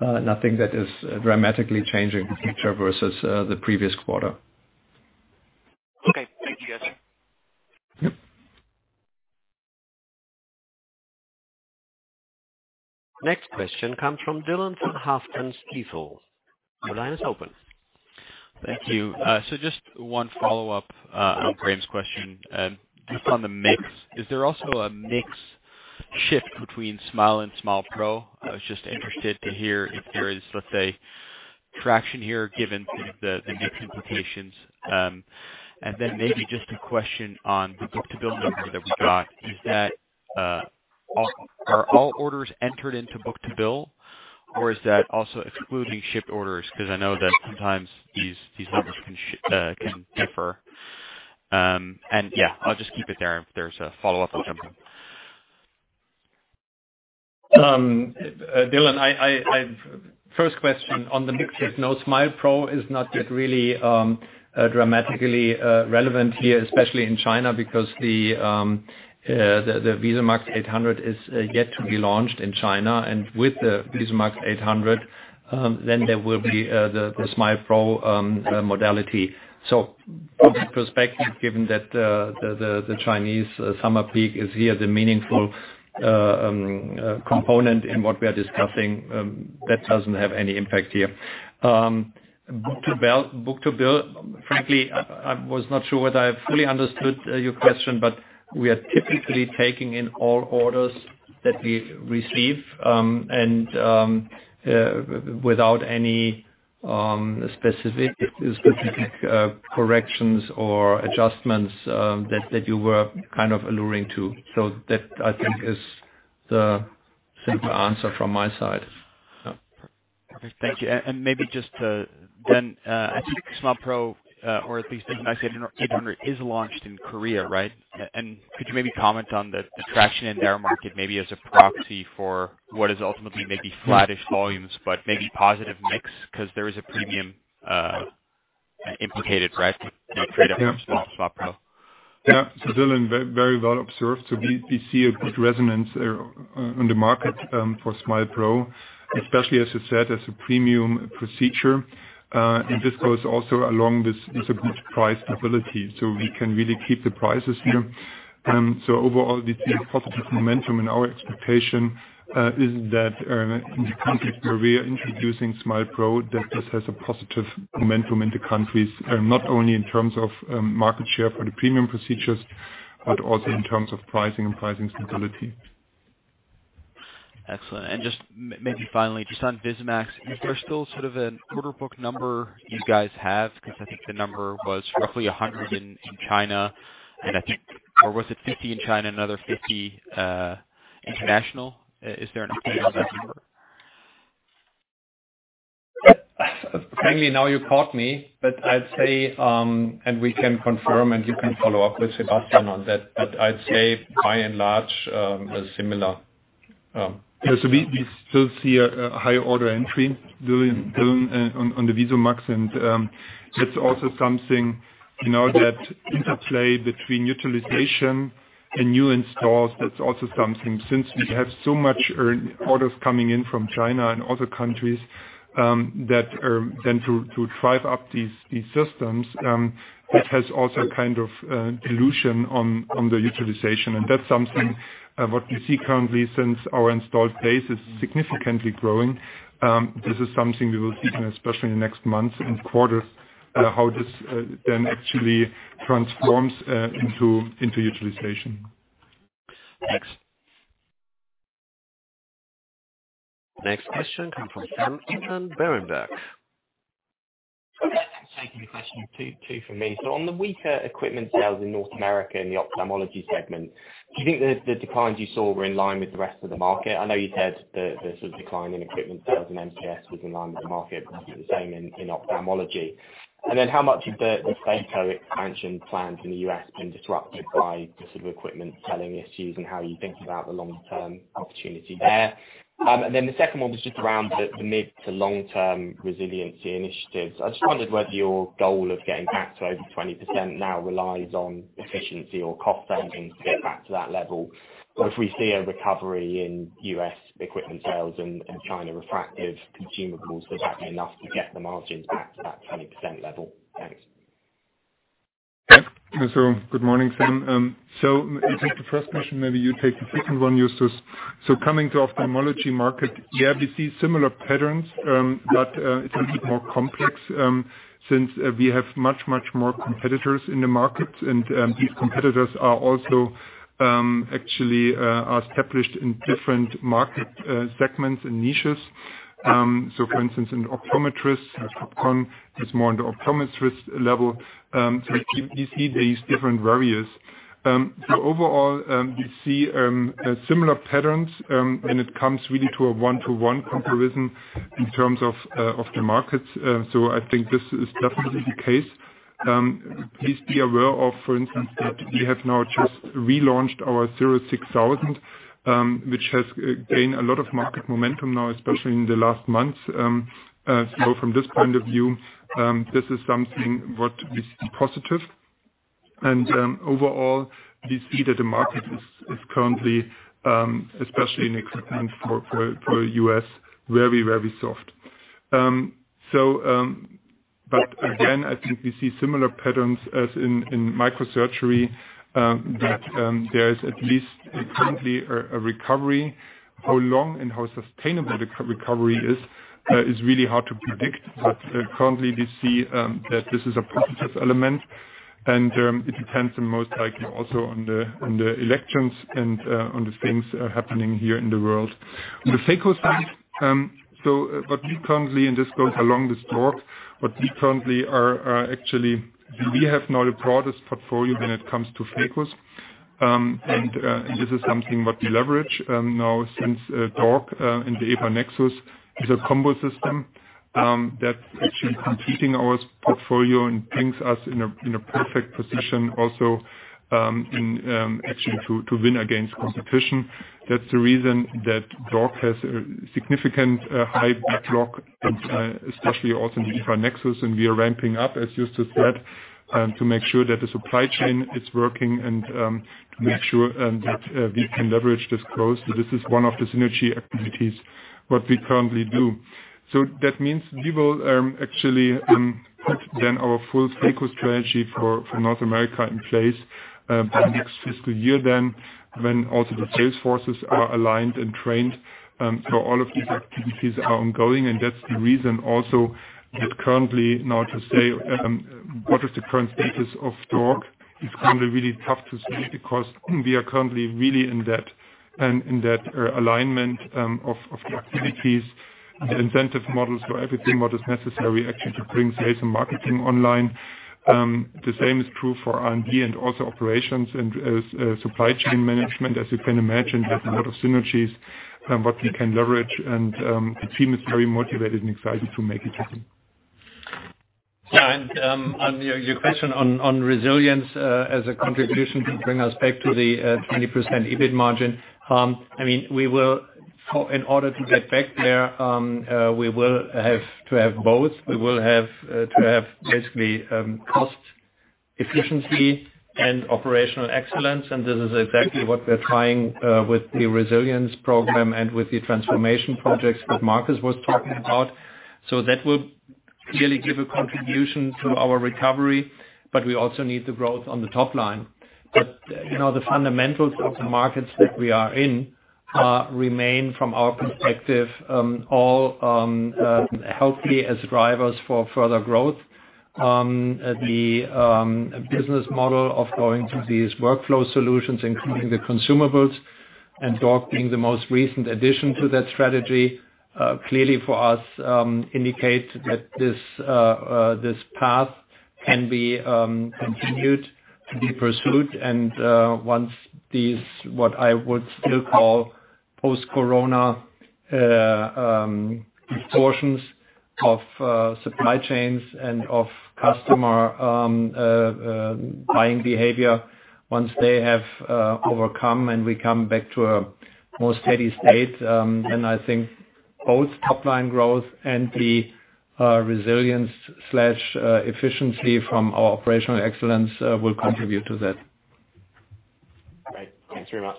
that is dramatically changing in the future versus the previous quarter. Okay. Thank you, guys. Next question comes from Dylan from Stifel. The line is open. Thank you. So just one follow-up on Graham's question. Just on the mix, is there also a mix shift between SMILE and SMILE pro? I was just interested to hear if there is, let's say, traction here given the mix implications. And then maybe just a question on the book-to-bill number that we got. Are all orders entered into book-to-bill, or is that also excluding shipped orders? Because I know that sometimes these numbers can differ. Yeah, I'll just keep it there if there's a follow-up or something. Dylan, first question on the mix shift. Now, SMILE pro is not yet really dramatically relevant here, especially in China, because the VISUMAX 800 is yet to be launched in China. And with the VISUMAX 800, then there will be the SMILE pro modality. So from that perspective, given that the Chinese summer peak is here, the meaningful component in what we are discussing, that doesn't have any impact here. Book-to-bill, frankly, I was not sure whether I fully understood your question, but we are typically taking in all orders that we receive without any specific corrections or adjustments that you were kind of alluding to. So that, I think, is the simple answer from my side. Yeah. Perfect. Thank you. And maybe just to then SMILE pro, or at least VISUMAX 800, is launched in Korea, right? And could you maybe comment on the traction in their market, maybe as a proxy for what is ultimately maybe flattish volumes, but maybe positive mix because there is a premium implicated, right, to be created from SMILE pro? Yeah. So Dylan, very well observed. So we see a good resonance on the market for SMILE pro, especially, as you said, as a premium procedure. And this goes also along with a good price stability. So we can really keep the prices here. So overall, we see positive momentum. And our expectation is that in the countries where we are introducing SMILE Pro, that this has a positive momentum in the countries, not only in terms of market share for the premium procedures, but also in terms of pricing and pricing stability. Excellent. And just maybe finally, just on VISUMAX, is there still sort of an order book number you guys have? Because I think the number was roughly 100 in China, and I think, or was it 50 in China and another 50 international? Is there an update on that number? Frankly, now you caught me, but I'd say, and we can confirm, and you can follow up with Sebastian on that, but I'd say by and large similar. Yeah. So we still see a higher order entry, Dylan, on the VISUMAX. And that's also something that interplay between utilization and new installs. That's also something since we have so much orders coming in from China and other countries that then to drive up these systems, that has also kind of dilution on the utilization. And that's something what we see currently since our installed base is significantly growing. This is something we will see in especially the next months and quarters how this then actually transforms into utilization. Thanks. Next question comes from Sam England from Berenberg. Same question too for me. So on the weaker equipment sales in North America in the ophthalmology segment, do you think the declines you saw were in line with the rest of the market? I know you said the sort of decline in equipment sales in MCS was in line with the market, but wasn't the same in ophthalmology. And then, how much have the Phaco expansion plans in the U.S. been disrupted by the sort of equipment selling issues and how you think about the long-term opportunity there? And then the second one was just around the mid- to long-term resiliency initiatives. I just wondered whether your goal of getting back to over 20% now relies on efficiency or cost savings to get back to that level. If we see a recovery in U.S. equipment sales and China refractive consumables, would that be enough to get the margins back to that 20% level? Thanks. Yeah. So good morning, Sam. So I think the first question maybe you take the second one, Justus. So coming to ophthalmology market, yeah, we see similar patterns, but it's a bit more complex since we have much, much more competitors in the market. These competitors are also actually established in different market segments and niches. For instance, in optometry, Topcon is more on the optometrist level. We see these different variants. Overall, we see similar patterns when it comes really to a one-to-one comparison in terms of the markets. I think this is definitely the case. Please be aware of, for instance, that we have now just relaunched our CIRRUS 6000, which has gained a lot of market momentum now, especially in the last months. From this point of view, this is something what we see positive. Overall, we see that the market is currently, especially in equipment for the U.S., very, very soft. Again, I think we see similar patterns as in microsurgery, that there is at least currently a recovery. How long and how sustainable the recovery is is really hard to predict. But currently, we see that this is a positive element. And it depends the most likely also on the elections and on the things happening here in the world. On the phaco side, so what we currently, and this goes along this talk, what we currently are actually, we have now the broadest portfolio when it comes to phacos. And this is something what we leverage now since DORC and the EVA NEXUS is a combo system that's actually completing our portfolio and brings us in a perfect position also in actually to win against competition. That's the reason that DORC has a significant high backlog, especially also in the EVA NEXUS. And we are ramping up, as Justus said, to make sure that the supply chain is working and to make sure that we can leverage this close. So this is one of the synergy activities what we currently do. So that means we will actually put then our full phaco strategy for North America in place by next fiscal year then, when also the sales forces are aligned and trained. So all of these activities are ongoing. And that's the reason also that currently now to say what is the current status of DORC is currently really tough to say because we are currently really in that alignment of the activities, the incentive models, so everything what is necessary actually to bring sales and marketing online. The same is true for R&D and also operations and supply chain management. As you can imagine, there's a lot of synergies what we can leverage. And the team is very motivated and excited to make it happen. Yeah. On your question on resilience as a contribution to bring us back to the 20% EBIT margin, I mean, in order to get back there, we will have to have both. We will have to have basically cost efficiency and operational excellence. This is exactly what we're trying with the Resilience Program and with the transformation projects that Markus was talking about. That will clearly give a contribution to our recovery, but we also need the growth on the top line. The fundamentals of the markets that we are in remain, from our perspective, all healthy as drivers for further growth. The business model of going to these workflow solutions, including the consumables and DORC being the most recent addition to that strategy, clearly for us indicates that this path can be continued to be pursued. Once these what I would still call post-Corona distortions of supply chains and of customer buying behavior, once they have overcome and we come back to a more steady state, then I think both top-line growth and the resilience/efficiency from our operational excellence will contribute to that. Great. Thanks very much.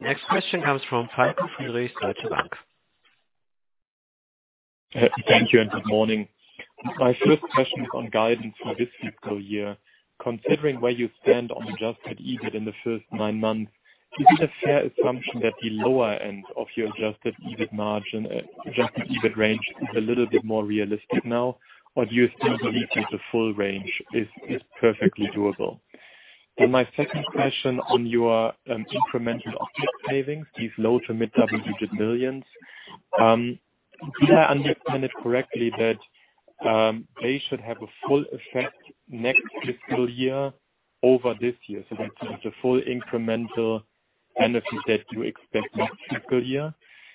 Next question comes from Falko Friedrichs, Deutsche Bank. Thank you and good morning. My first question is on guidance for this fiscal year. Considering where you stand on adjusted EBIT in the first nine months, is it a fair assumption that the lower end of your adjusted EBIT range is a little bit more realistic now, or do you still believe that the full range is perfectly doable? And my second question on your incremental OpEx savings, these low- to mid-single-digit millions, did I understand it correctly that they should have a full effect next fiscal year over this year? So that's the full incremental benefit that you expect next fiscal year.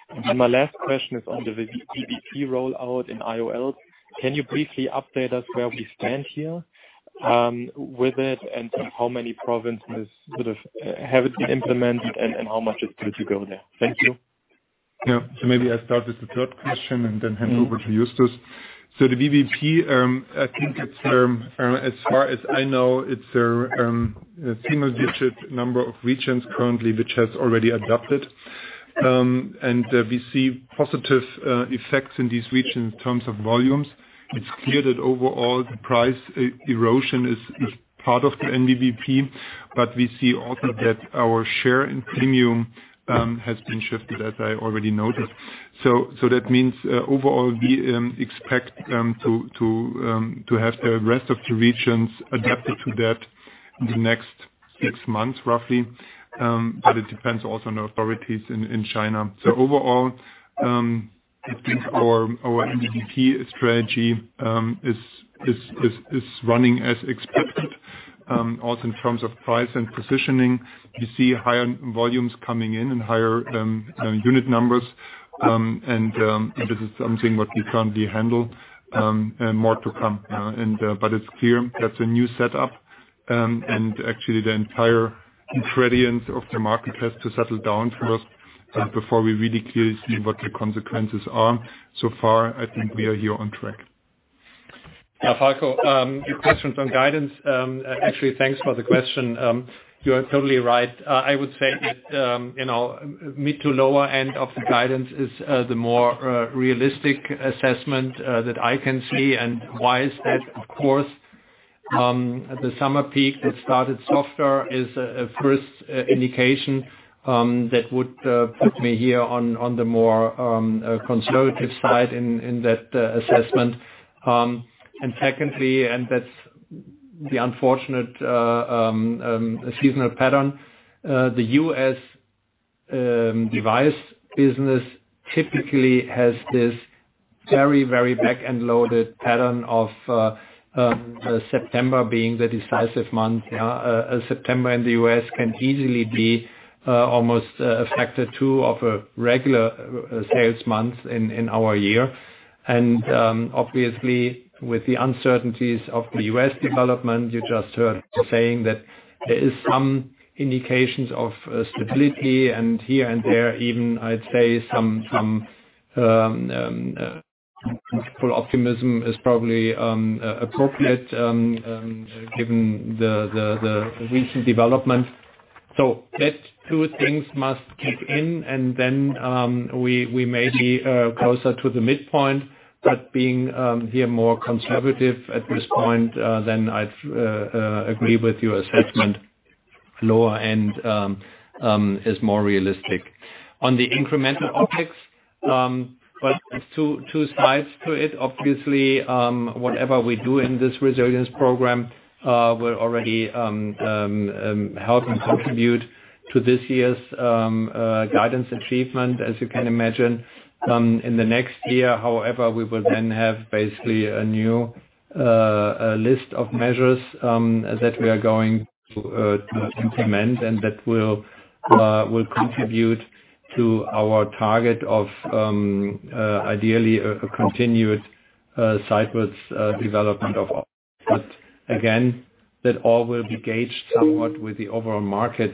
And my last question is on the VBP rollout in IOL. Can you briefly update us where we stand here with it, and how many provinces sort of have it been implemented, and how much is going to go there? Thank you. Yeah. So maybe I'll start with the third question and then hand over to Justus. So the VBP, I think as far as I know, it's a single-digit number of regions currently which has already adopted. And we see positive effects in these regions in terms of volumes. It's clear that overall, the price erosion is part of the VBP, but we see also that our share in premium has been shifted, as I already noted. So that means overall, we expect to have the rest of the regions adapted to that in the next six months roughly, but it depends also on the authorities in China. So overall, I think our VBP strategy is running as expected. Also in terms of price and positioning, we see higher volumes coming in and higher unit numbers. And this is something what we currently handle more to come. But it's clear that's a new setup. And actually, the entire industry of the market has to settle down first before we really clearly see what the consequences are. So far, I think we are here on track. Yeah. Falko, your questions on guidance, actually, thanks for the question. You're totally right. I would say mid to lower end of the guidance is the more realistic assessment that I can see. Why is that? Of course, the summer peak that started softer is a first indication that would put me here on the more conservative side in that assessment. Secondly, and that's the unfortunate seasonal pattern, the U.S. device business typically has this very, very back-end loaded pattern of September being the decisive month. September in the U.S. can easily be almost a factor 2 of a regular sales month in our year. And obviously, with the uncertainties of the U.S. development, you just heard saying that there are some indications of stability. And here and there, even I'd say some optimism is probably appropriate given the recent development. So that 2 things must kick in, and then we may be closer to the midpoint. But being here more conservative at this point, then I'd agree with your assessment. Lower end is more realistic. On the incremental optics, well, there's two sides to it. Obviously, whatever we do in this Resilience Program will already help and contribute to this year's guidance achievement, as you can imagine. In the next year, however, we will then have basically a new list of measures that we are going to implement, and that will contribute to our target of ideally a continued sidewards development of optics. But again, that all will be gauged somewhat with the overall market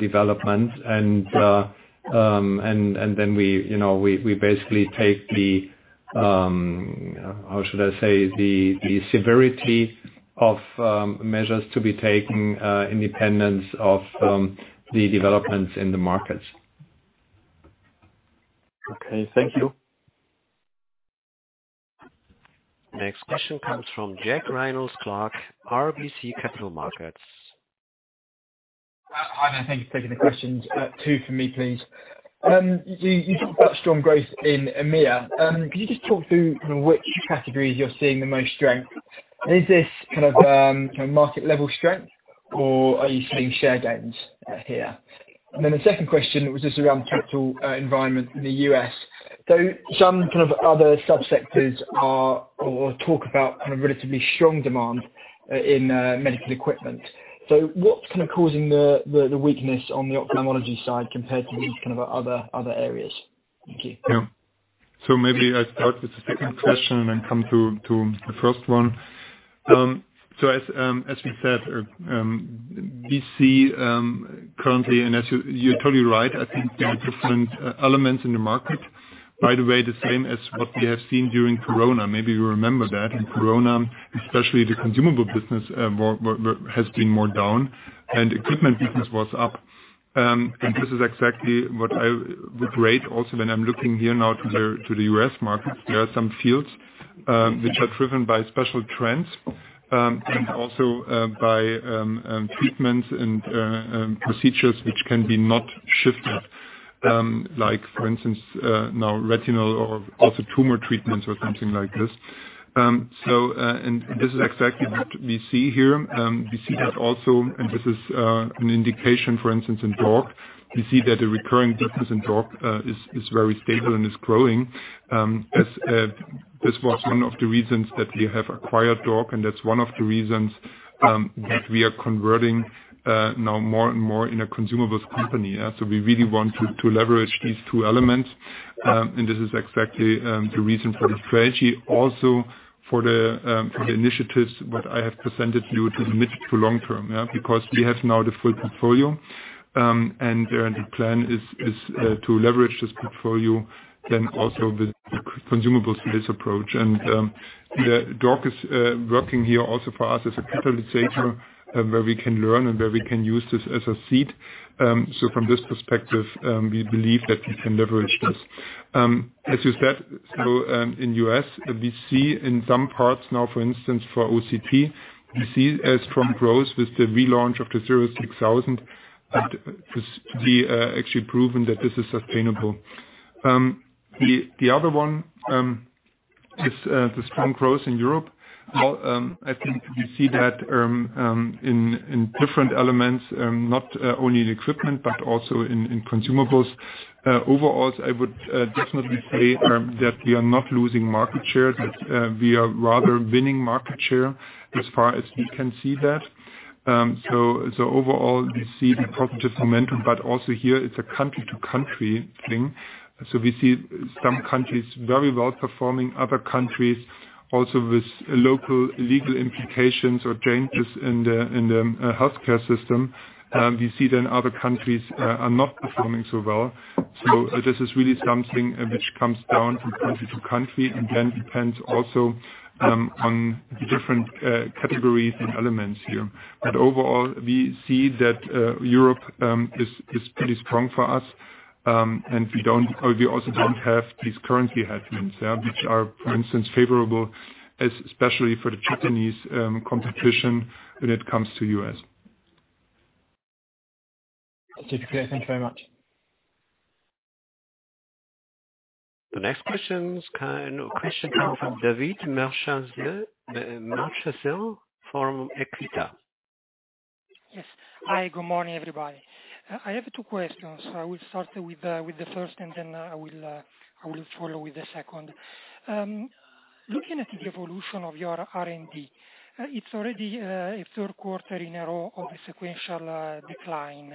development. And then we basically take the, how should I say, the severity of measures to be taken in dependence of the developments in the markets. Okay. Thank you. Next question comes from Jack Reynolds-Clark, RBC Capital Markets. Hi, thank you for taking the questions. Two for me, please. You talked about strong growth in EMEA. Could you just talk through which categories you're seeing the most strength? Is this kind of market-level strength, or are you seeing share gains here? And then the second question was just around capital environment in the U.S. So some kind of other subsectors talk about kind of relatively strong demand in medical equipment. So what's kind of causing the weakness on the ophthalmology side compared to these kind of other areas? Thank you. Yeah. So maybe I'll start with the second question and then come to the first one. So as we said, we see currently, and you're totally right, I think there are different elements in the market, by the way, the same as what we have seen during Corona. Maybe you remember that. In Corona, especially the consumable business has been more down, and equipment business was up. This is exactly what I would rate also when I'm looking here now to the U.S. markets. There are some fields which are driven by special trends and also by treatments and procedures which can be not shifted, like for instance, now retinal or also tumor treatments or something like this. This is exactly what we see here. We see that also, and this is an indication, for instance, in DORC. We see that the recurring business in DORC is very stable and is growing. This was one of the reasons that we have acquired DORC, and that's one of the reasons that we are converting now more and more in a consumables company. We really want to leverage these two elements. And this is exactly the reason for the strategy, also for the initiatives what I have presented to you to the mid- to long-term, because we have now the full portfolio. And the plan is to leverage this portfolio then also with the consumables-based approach. And DORC is working here also for us as a catalyst where we can learn and where we can use this as a seed. So from this perspective, we believe that we can leverage this. As you said, so in the U.S., we see in some parts now, for instance, for OCT, we see a strong growth with the relaunch of the CIRRUS 6000, but we actually proven that this is sustainable. The other one is the strong growth in Europe. I think we see that in different elements, not only in equipment, but also in consumables. Overall, I would definitely say that we are not losing market share, but we are rather winning market share as far as we can see that. So overall, we see the positive momentum, but also here it's a country-to-country thing. So we see some countries very well performing, other countries also with local legal implications or changes in the healthcare system. We see then other countries are not performing so well. So this is really something which comes down from country to country and then depends also on the different categories and elements here. But overall, we see that Europe is pretty strong for us, and we also don't have these currency headwinds, which are, for instance, favorable, especially for the Japanese competition when it comes to U.S. That's it. Thank you very much. The next question is kind of a question from David Adjemian from Equita. Yes. Hi, good morning, everybody. I have two questions. So I will start with the first, and then I will follow with the second. Looking at the evolution of your R&D, it's already a third quarter in a row of a sequential decline.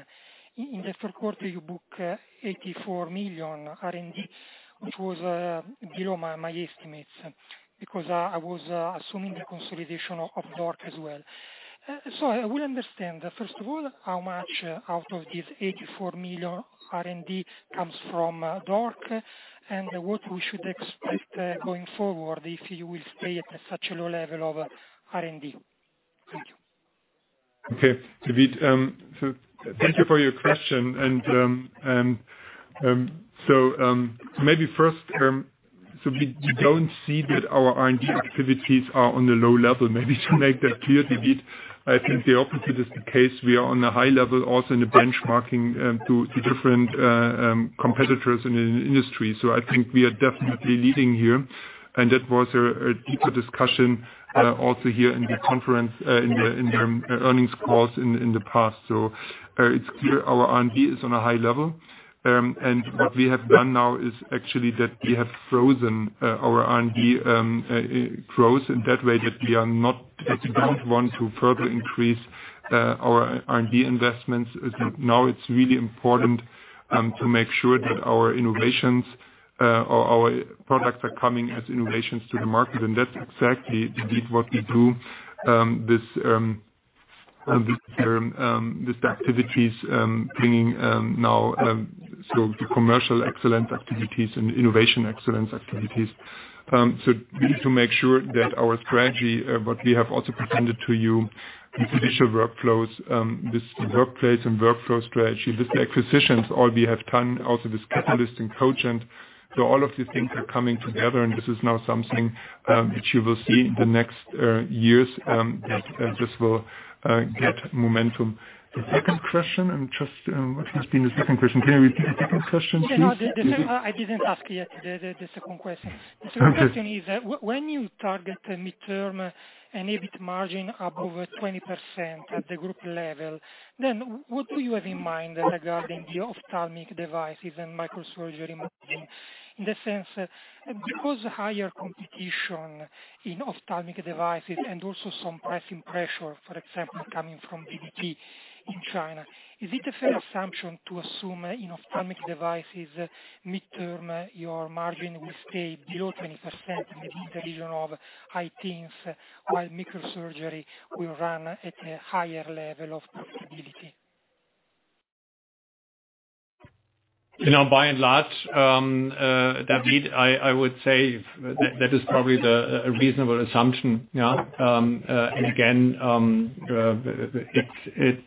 In the third quarter, you booked 84 million R&D, which was below my estimates because I was assuming the consolidation of DORC as well. So I will understand, first of all, how much out of these 84 million R&D comes from DORC and what we should expect going forward if you will stay at such a low level of R&D. Thank you. Okay. David, thank you for your question. So maybe first, so we don't see that our R&D activities are on the low level. Maybe to make that clear, David, I think the opposite is the case. We are on a high level also in the benchmarking to different competitors in the industry. So I think we are definitely leading here. That was a deeper discussion also here in the conference, in the earnings calls in the past. So it's clear our R&D is on a high level. What we have done now is actually that we have frozen our R&D growth in that way that we don't want to further increase our R&D investments. Now it's really important to make sure that our innovations or our products are coming as innovations to the market. That's exactly what we do, these activities bringing now the commercial excellence activities and innovation excellence activities. So we need to make sure that our strategy, what we have also presented to you, these initial workflows, this workplace and workflow strategy, these acquisitions, all we have done, also this Katalyst and Kogent. So all of these things are coming together, and this is now something which you will see in the next years that this will get momentum. The second question. And just what has been the second question? Can you repeat the second question, please? No, I didn't ask yet the second question. The second question is, when you target mid-term and EBIT margin above 20% at the group level, then what do you have in mind regarding the ophthalmic devices and microsurgery margin? In the sense, because higher competition in ophthalmic devices and also some pricing pressure, for example, coming from VBP in China, is it a fair assumption to assume in ophthalmic devices mid-term your margin will stay below 20% in the region of high teens, while microsurgery will run at a higher level of profitability? Now, by and large, David, I would say that is probably a reasonable assumption. And again, it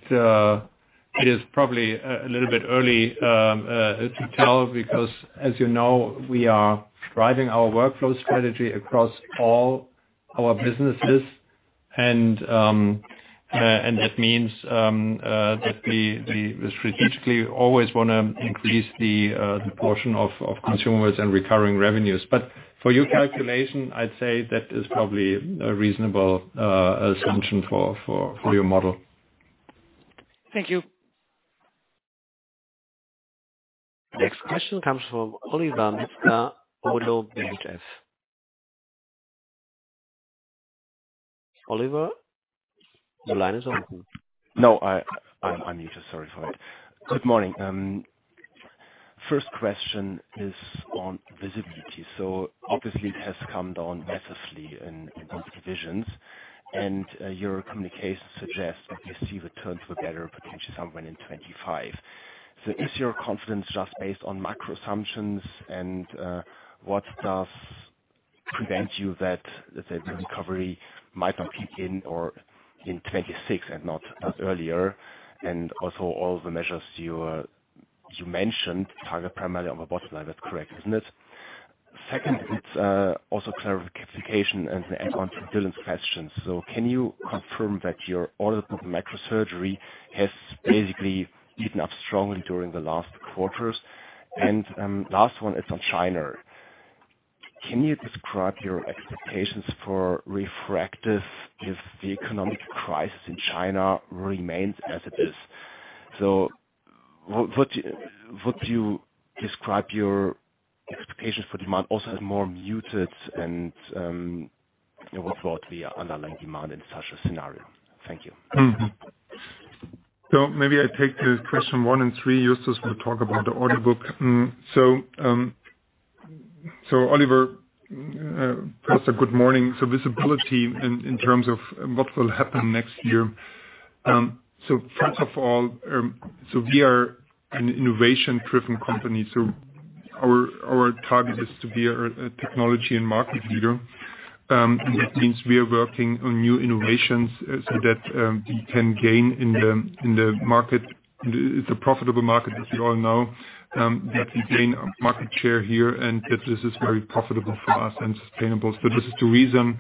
is probably a little bit early to tell because, as you know, we are driving our workflow strategy across all our businesses. And that means that we strategically always want to increase the portion of consumables and recurring revenues. But for your calculation, I'd say that is probably a reasonable assumption for your model. Thank you. Next question comes from Oliver Metzger, ODDO BHF. Oliver, the line is open. No, I'm muted. Sorry for that. Good morning. First question is on visibility. So obviously, it has come down massively in both divisions. And your communication suggests that we see return to a better potential somewhere in 2025. So is your confidence just based on macro assumptions? And what does prevent you that the recovery might not kick in in 2026 and not earlier? And also all the measures you mentioned target primarily on the bottom line. That's correct, isn't it? Second, it's also clarification and the add-on to Davide's questions. So can you confirm that your order book microsurgery has basically eaten up strongly during the last quarters? And last one, it's on China. Can you describe your expectations for refractive if the economic crisis in China remains as it is? So would you describe your expectations for demand also as more muted and what's brought the underlying demand in such a scenario? Thank you. So maybe I take the question one and three. Just as we talk about the order book. So Oliver, first, good morning. So visibility in terms of what will happen next year. So first of all, so we are an innovation-driven company. So our target is to be a technology and market leader. That means we are working on new innovations so that we can gain in the market. It's a profitable market, as you all know, that we gain market share here and that this is very profitable for us and sustainable. So this is the reason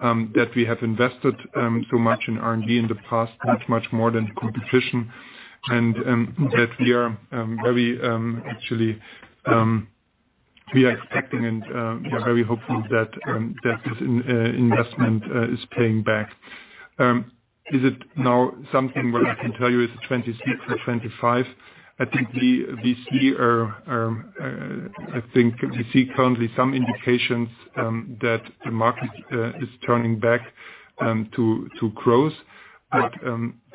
that we have invested so much in R&D in the past, much, much more than competition, and that we are very actually we are expecting and very hopeful that this investment is paying back. Is it now something where we can tell you it's a 26 or 25? I think we see I think we see currently some indications that the market is turning back to growth, but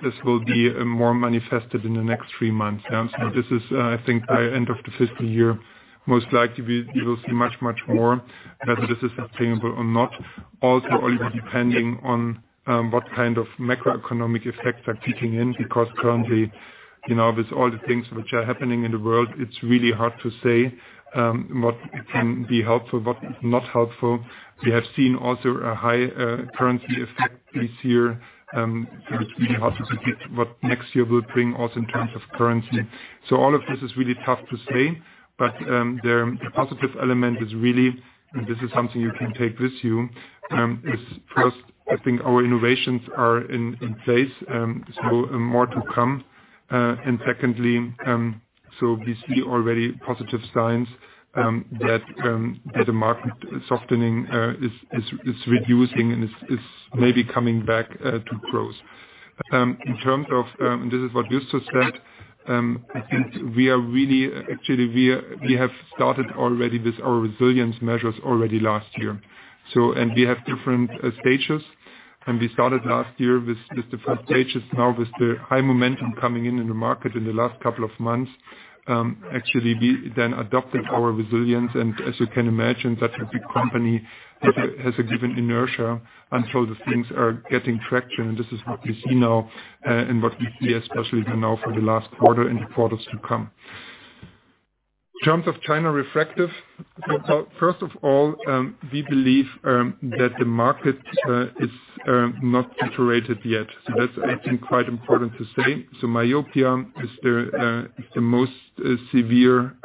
this will be more manifested in the next three months. So this is, I think, by the end of the fiscal year, most likely we will see much, much more whether this is sustainable or not. Also, only depending on what kind of macroeconomic effects are kicking in because currently, with all the things which are happening in the world, it's really hard to say what can be helpful, what is not helpful. We have seen also a high currency effect this year. So it's really hard to predict what next year will bring also in terms of currency. So all of this is really tough to say. But the positive element is really, and this is something you can take with you, is first, I think our innovations are in place, so more to come. And secondly, so we see already positive signs that the market softening is reducing and is maybe coming back to growth. In terms of, and this is what Justus said, I think we are really actually we have started already with our resilience measures already last year. And we have different stages. And we started last year with the first stages, now with the high momentum coming in in the market in the last couple of months. Actually, we then adopted our resilience. And as you can imagine, such a big company has a given inertia until the things are getting traction. This is what we see now and what we see especially now for the last quarter and the quarters to come. In terms of China refractive, first of all, we believe that the market is not saturated yet. So that's, I think, quite important to say. So myopia is the most severe,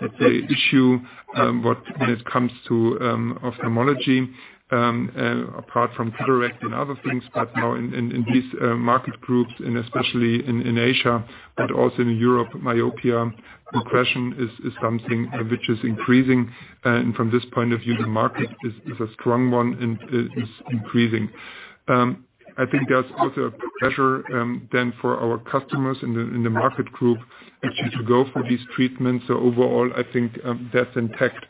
let's say, issue when it comes to ophthalmology, apart from cataract and other things. But now in these market groups, and especially in Asia, but also in Europe, myopia progression is something which is increasing. And from this point of view, the market is a strong one and is increasing. I think there's also a pressure then for our customers in the market group actually to go for these treatments. So overall, I think that's intact.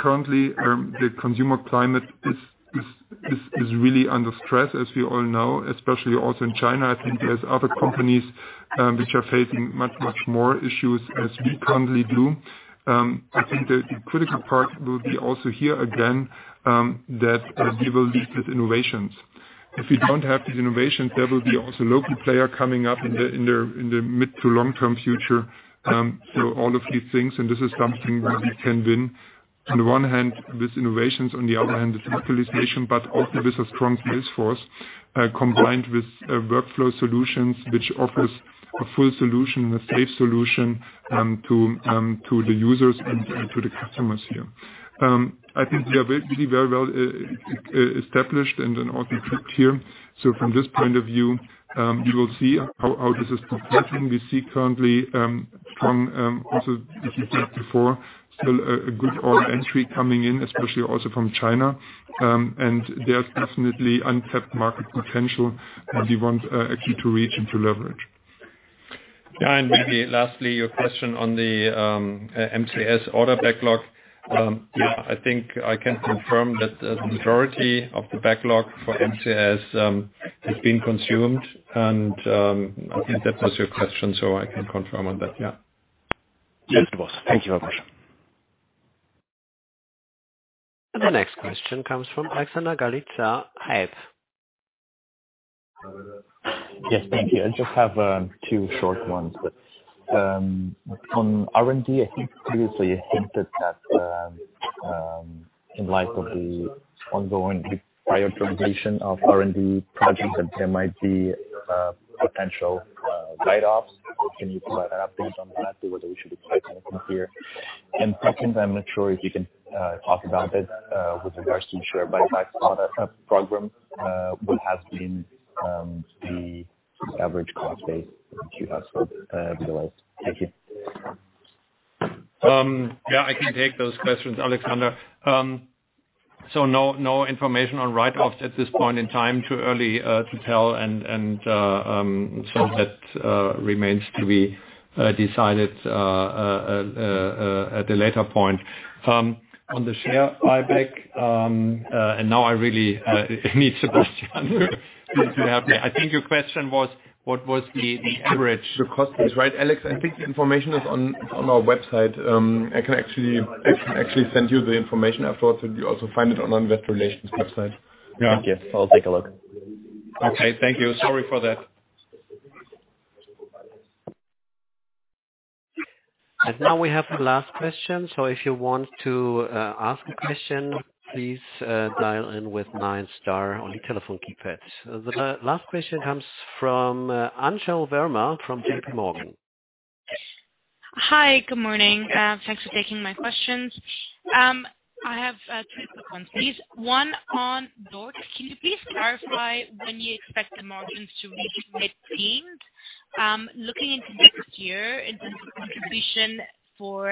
Currently, the consumer climate is really under stress, as we all know, especially also in China. I think there's other companies which are facing much, much more issues as we currently do. I think the critical part will be also here again that we will lead with innovations. If we don't have these innovations, there will be also local players coming up in the mid- to long-term future. So all of these things, and this is something we can win on the one hand with innovations, on the other hand with localization, but also with a strong sales force combined with workflow solutions which offers a full solution and a safe solution to the users and to the customers here. I think we are really very well established and also equipped here. So from this point of view, you will see how this is progressing. We see currently strong, as you said before, still a good order entry coming in, especially also from China. There's definitely untapped market potential that we want actually to reach and to leverage. Yeah. And maybe lastly, your question on the MCS order backlog. Yeah, I think I can confirm that the majority of the backlog for MCS has been consumed. And I think that was your question, so I can confirm on that. Yeah. Yes, it was. Thank you very much. The next question comes from Alexander Galitsa, Hauck. Yes, thank you. I just have two short ones. On R&D, I think previously, I think that in light of the ongoing prioritazation of R&D projects, there might be potential write-offs. Can you provide an update on that? Whether we should expect anything here? And second, I'm not sure if you can talk about it with regards to the share buy-back program. What has been the average cost base? Thank you. Yeah, I can take those questions, Alexander. So no information on write-offs at this point in time, too early to tell. And so that remains to be decided at a later point. On the share buyback, and now I really need Sebastian to help me. I think your question was, what was the average cost base? Right, Alex? I think the information is on our website. I can actually send you the information afterwards, so you also find it on our investor relations website. Yeah. Yes. I'll take a look. Okay. Thank you. Sorry for that. And now we have the last question. So if you want to ask a question, please dial in with nine-star on the telephone keypad. The last question comes from Anchal Verma from J.P. Morgan. Hi. Good morning. Thanks for taking my questions. I have two questions. One on D.O.R.C. Can you please clarify when you expect the margins to reach mid-teens? Looking into next year, in terms of contribution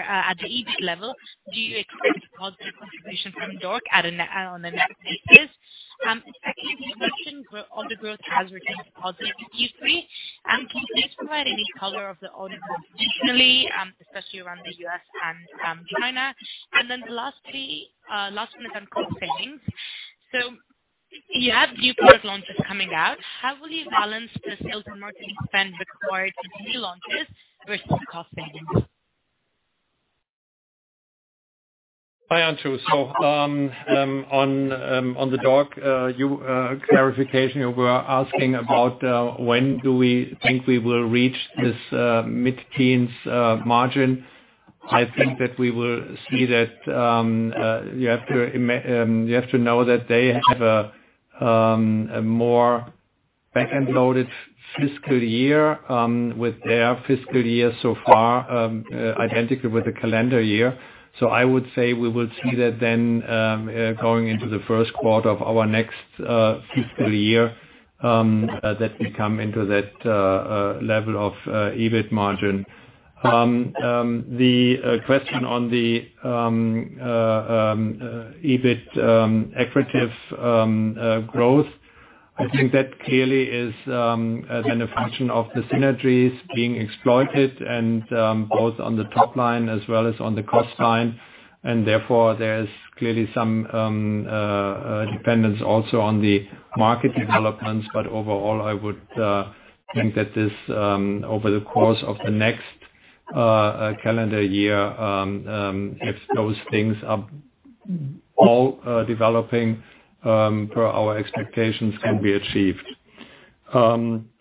at the EBIT level, do you expect positive contribution from DORC on a net basis? Second, you mentioned all the growth has returned positive to Q3. Can you please provide any color of the orders recently, especially around the U.S. and China? And then the last one is on cost savings. So you have new product launches coming out. How will you balance the sales and marketing spend required for new launches versus cost savings? Hi, Anshu. So on the DORC clarification, you were asking about when do we think we will reach this mid-teens margin. I think that we will see that you have to know that they have a more back-end loaded fiscal year with their fiscal year so far identical with the calendar year. So I would say we will see that then going into the first quarter of our next fiscal year that we come into that level of EBIT margin. The question on the EBIT acquisitive growth, I think that clearly is then a function of the synergies being exploited both on the top line as well as on the cost line. And therefore, there is clearly some dependence also on the market developments. But overall, I would think that over the course of the next calendar year, if those things are all developing per our expectations, can be achieved.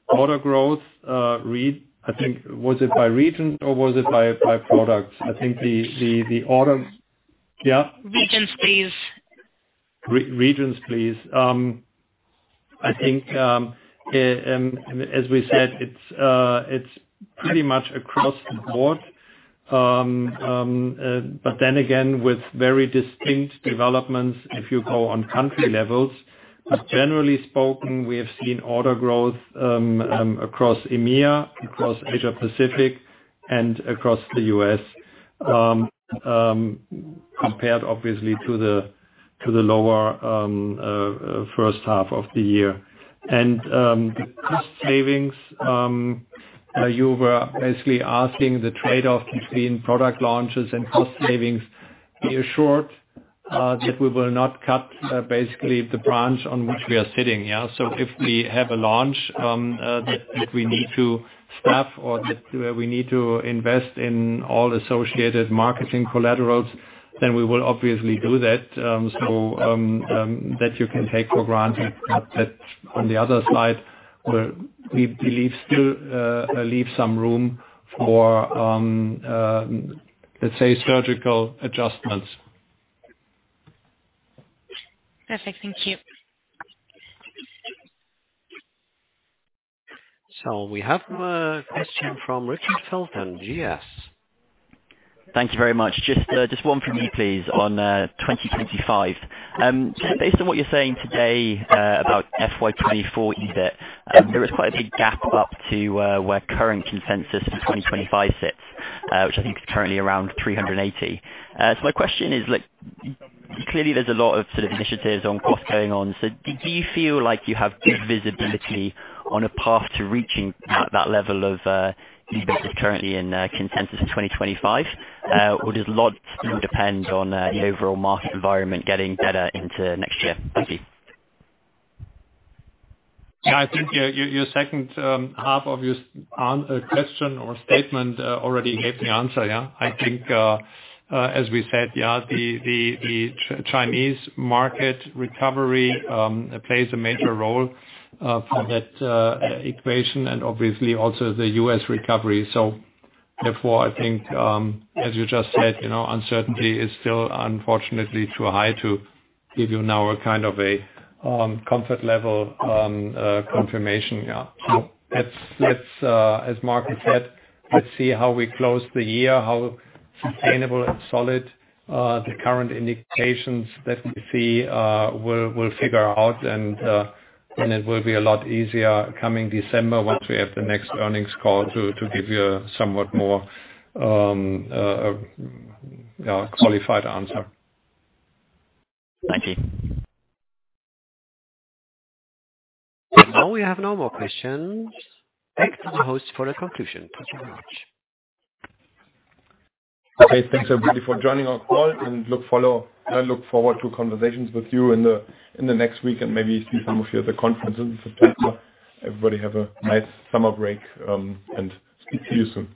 Order growth, I think, was it by region or was it by products? I think the order yeah? Regions, please. Regions, please. I think, as we said, it's pretty much across the board. But then again, with very distinct developments if you go on country levels. But generally spoken, we have seen order growth across EMEA, across Asia-Pacific, and across the U.S., compared obviously to the lower first half of the year. And the cost savings, you were basically asking the trade-off between product launches and cost savings be assured that we will not cut basically the branch on which we are sitting. Yeah. So if we have a launch that we need to staff or that we need to invest in all associated marketing collaterals, then we will obviously do that so that you can take for granted that on the other side, we believe still leave some room for, let's say, surgical adjustments. Perfect. Thank you. So we have a question from Richard Felton, GS. Thank you very much. Just one for me, please, on 2025. Based on what you're saying today about FY24 EBIT, there is quite a big gap up to where current consensus in 2025 sits, which I think is currently around 380. So my question is, clearly, there's a lot of sort of initiatives on what's going on. So do you feel like you have good visibility on a path to reaching that level of EBIT that's currently in consensus for 2025? Or does a lot still depend on the overall market environment getting better into next year? Thank you. Yeah. I think your second half of your question or statement already gave the answer. Yeah. I think, as we said, yeah, the Chinese market recovery plays a major role for that equation and obviously also the U.S. recovery. So therefore, I think, as you just said, uncertainty is still unfortunately too high to give you now a kind of a comfort level confirmation. Yeah. So as Mark has said, let's see how we close the year, how sustainable and solid the current indications that we see will figure out. And then it will be a lot easier coming December once we have the next earnings call to give you a somewhat more qualified answer. Thank you. And now we have no more questions. Thanks to the host for the conclusion. Thank you very much. Okay. Thanks, everybody, for joining our call. And look forward to conversations with you in the next week and maybe see some of you at the conferences. Everybody have a nice summer break and speak to you soon.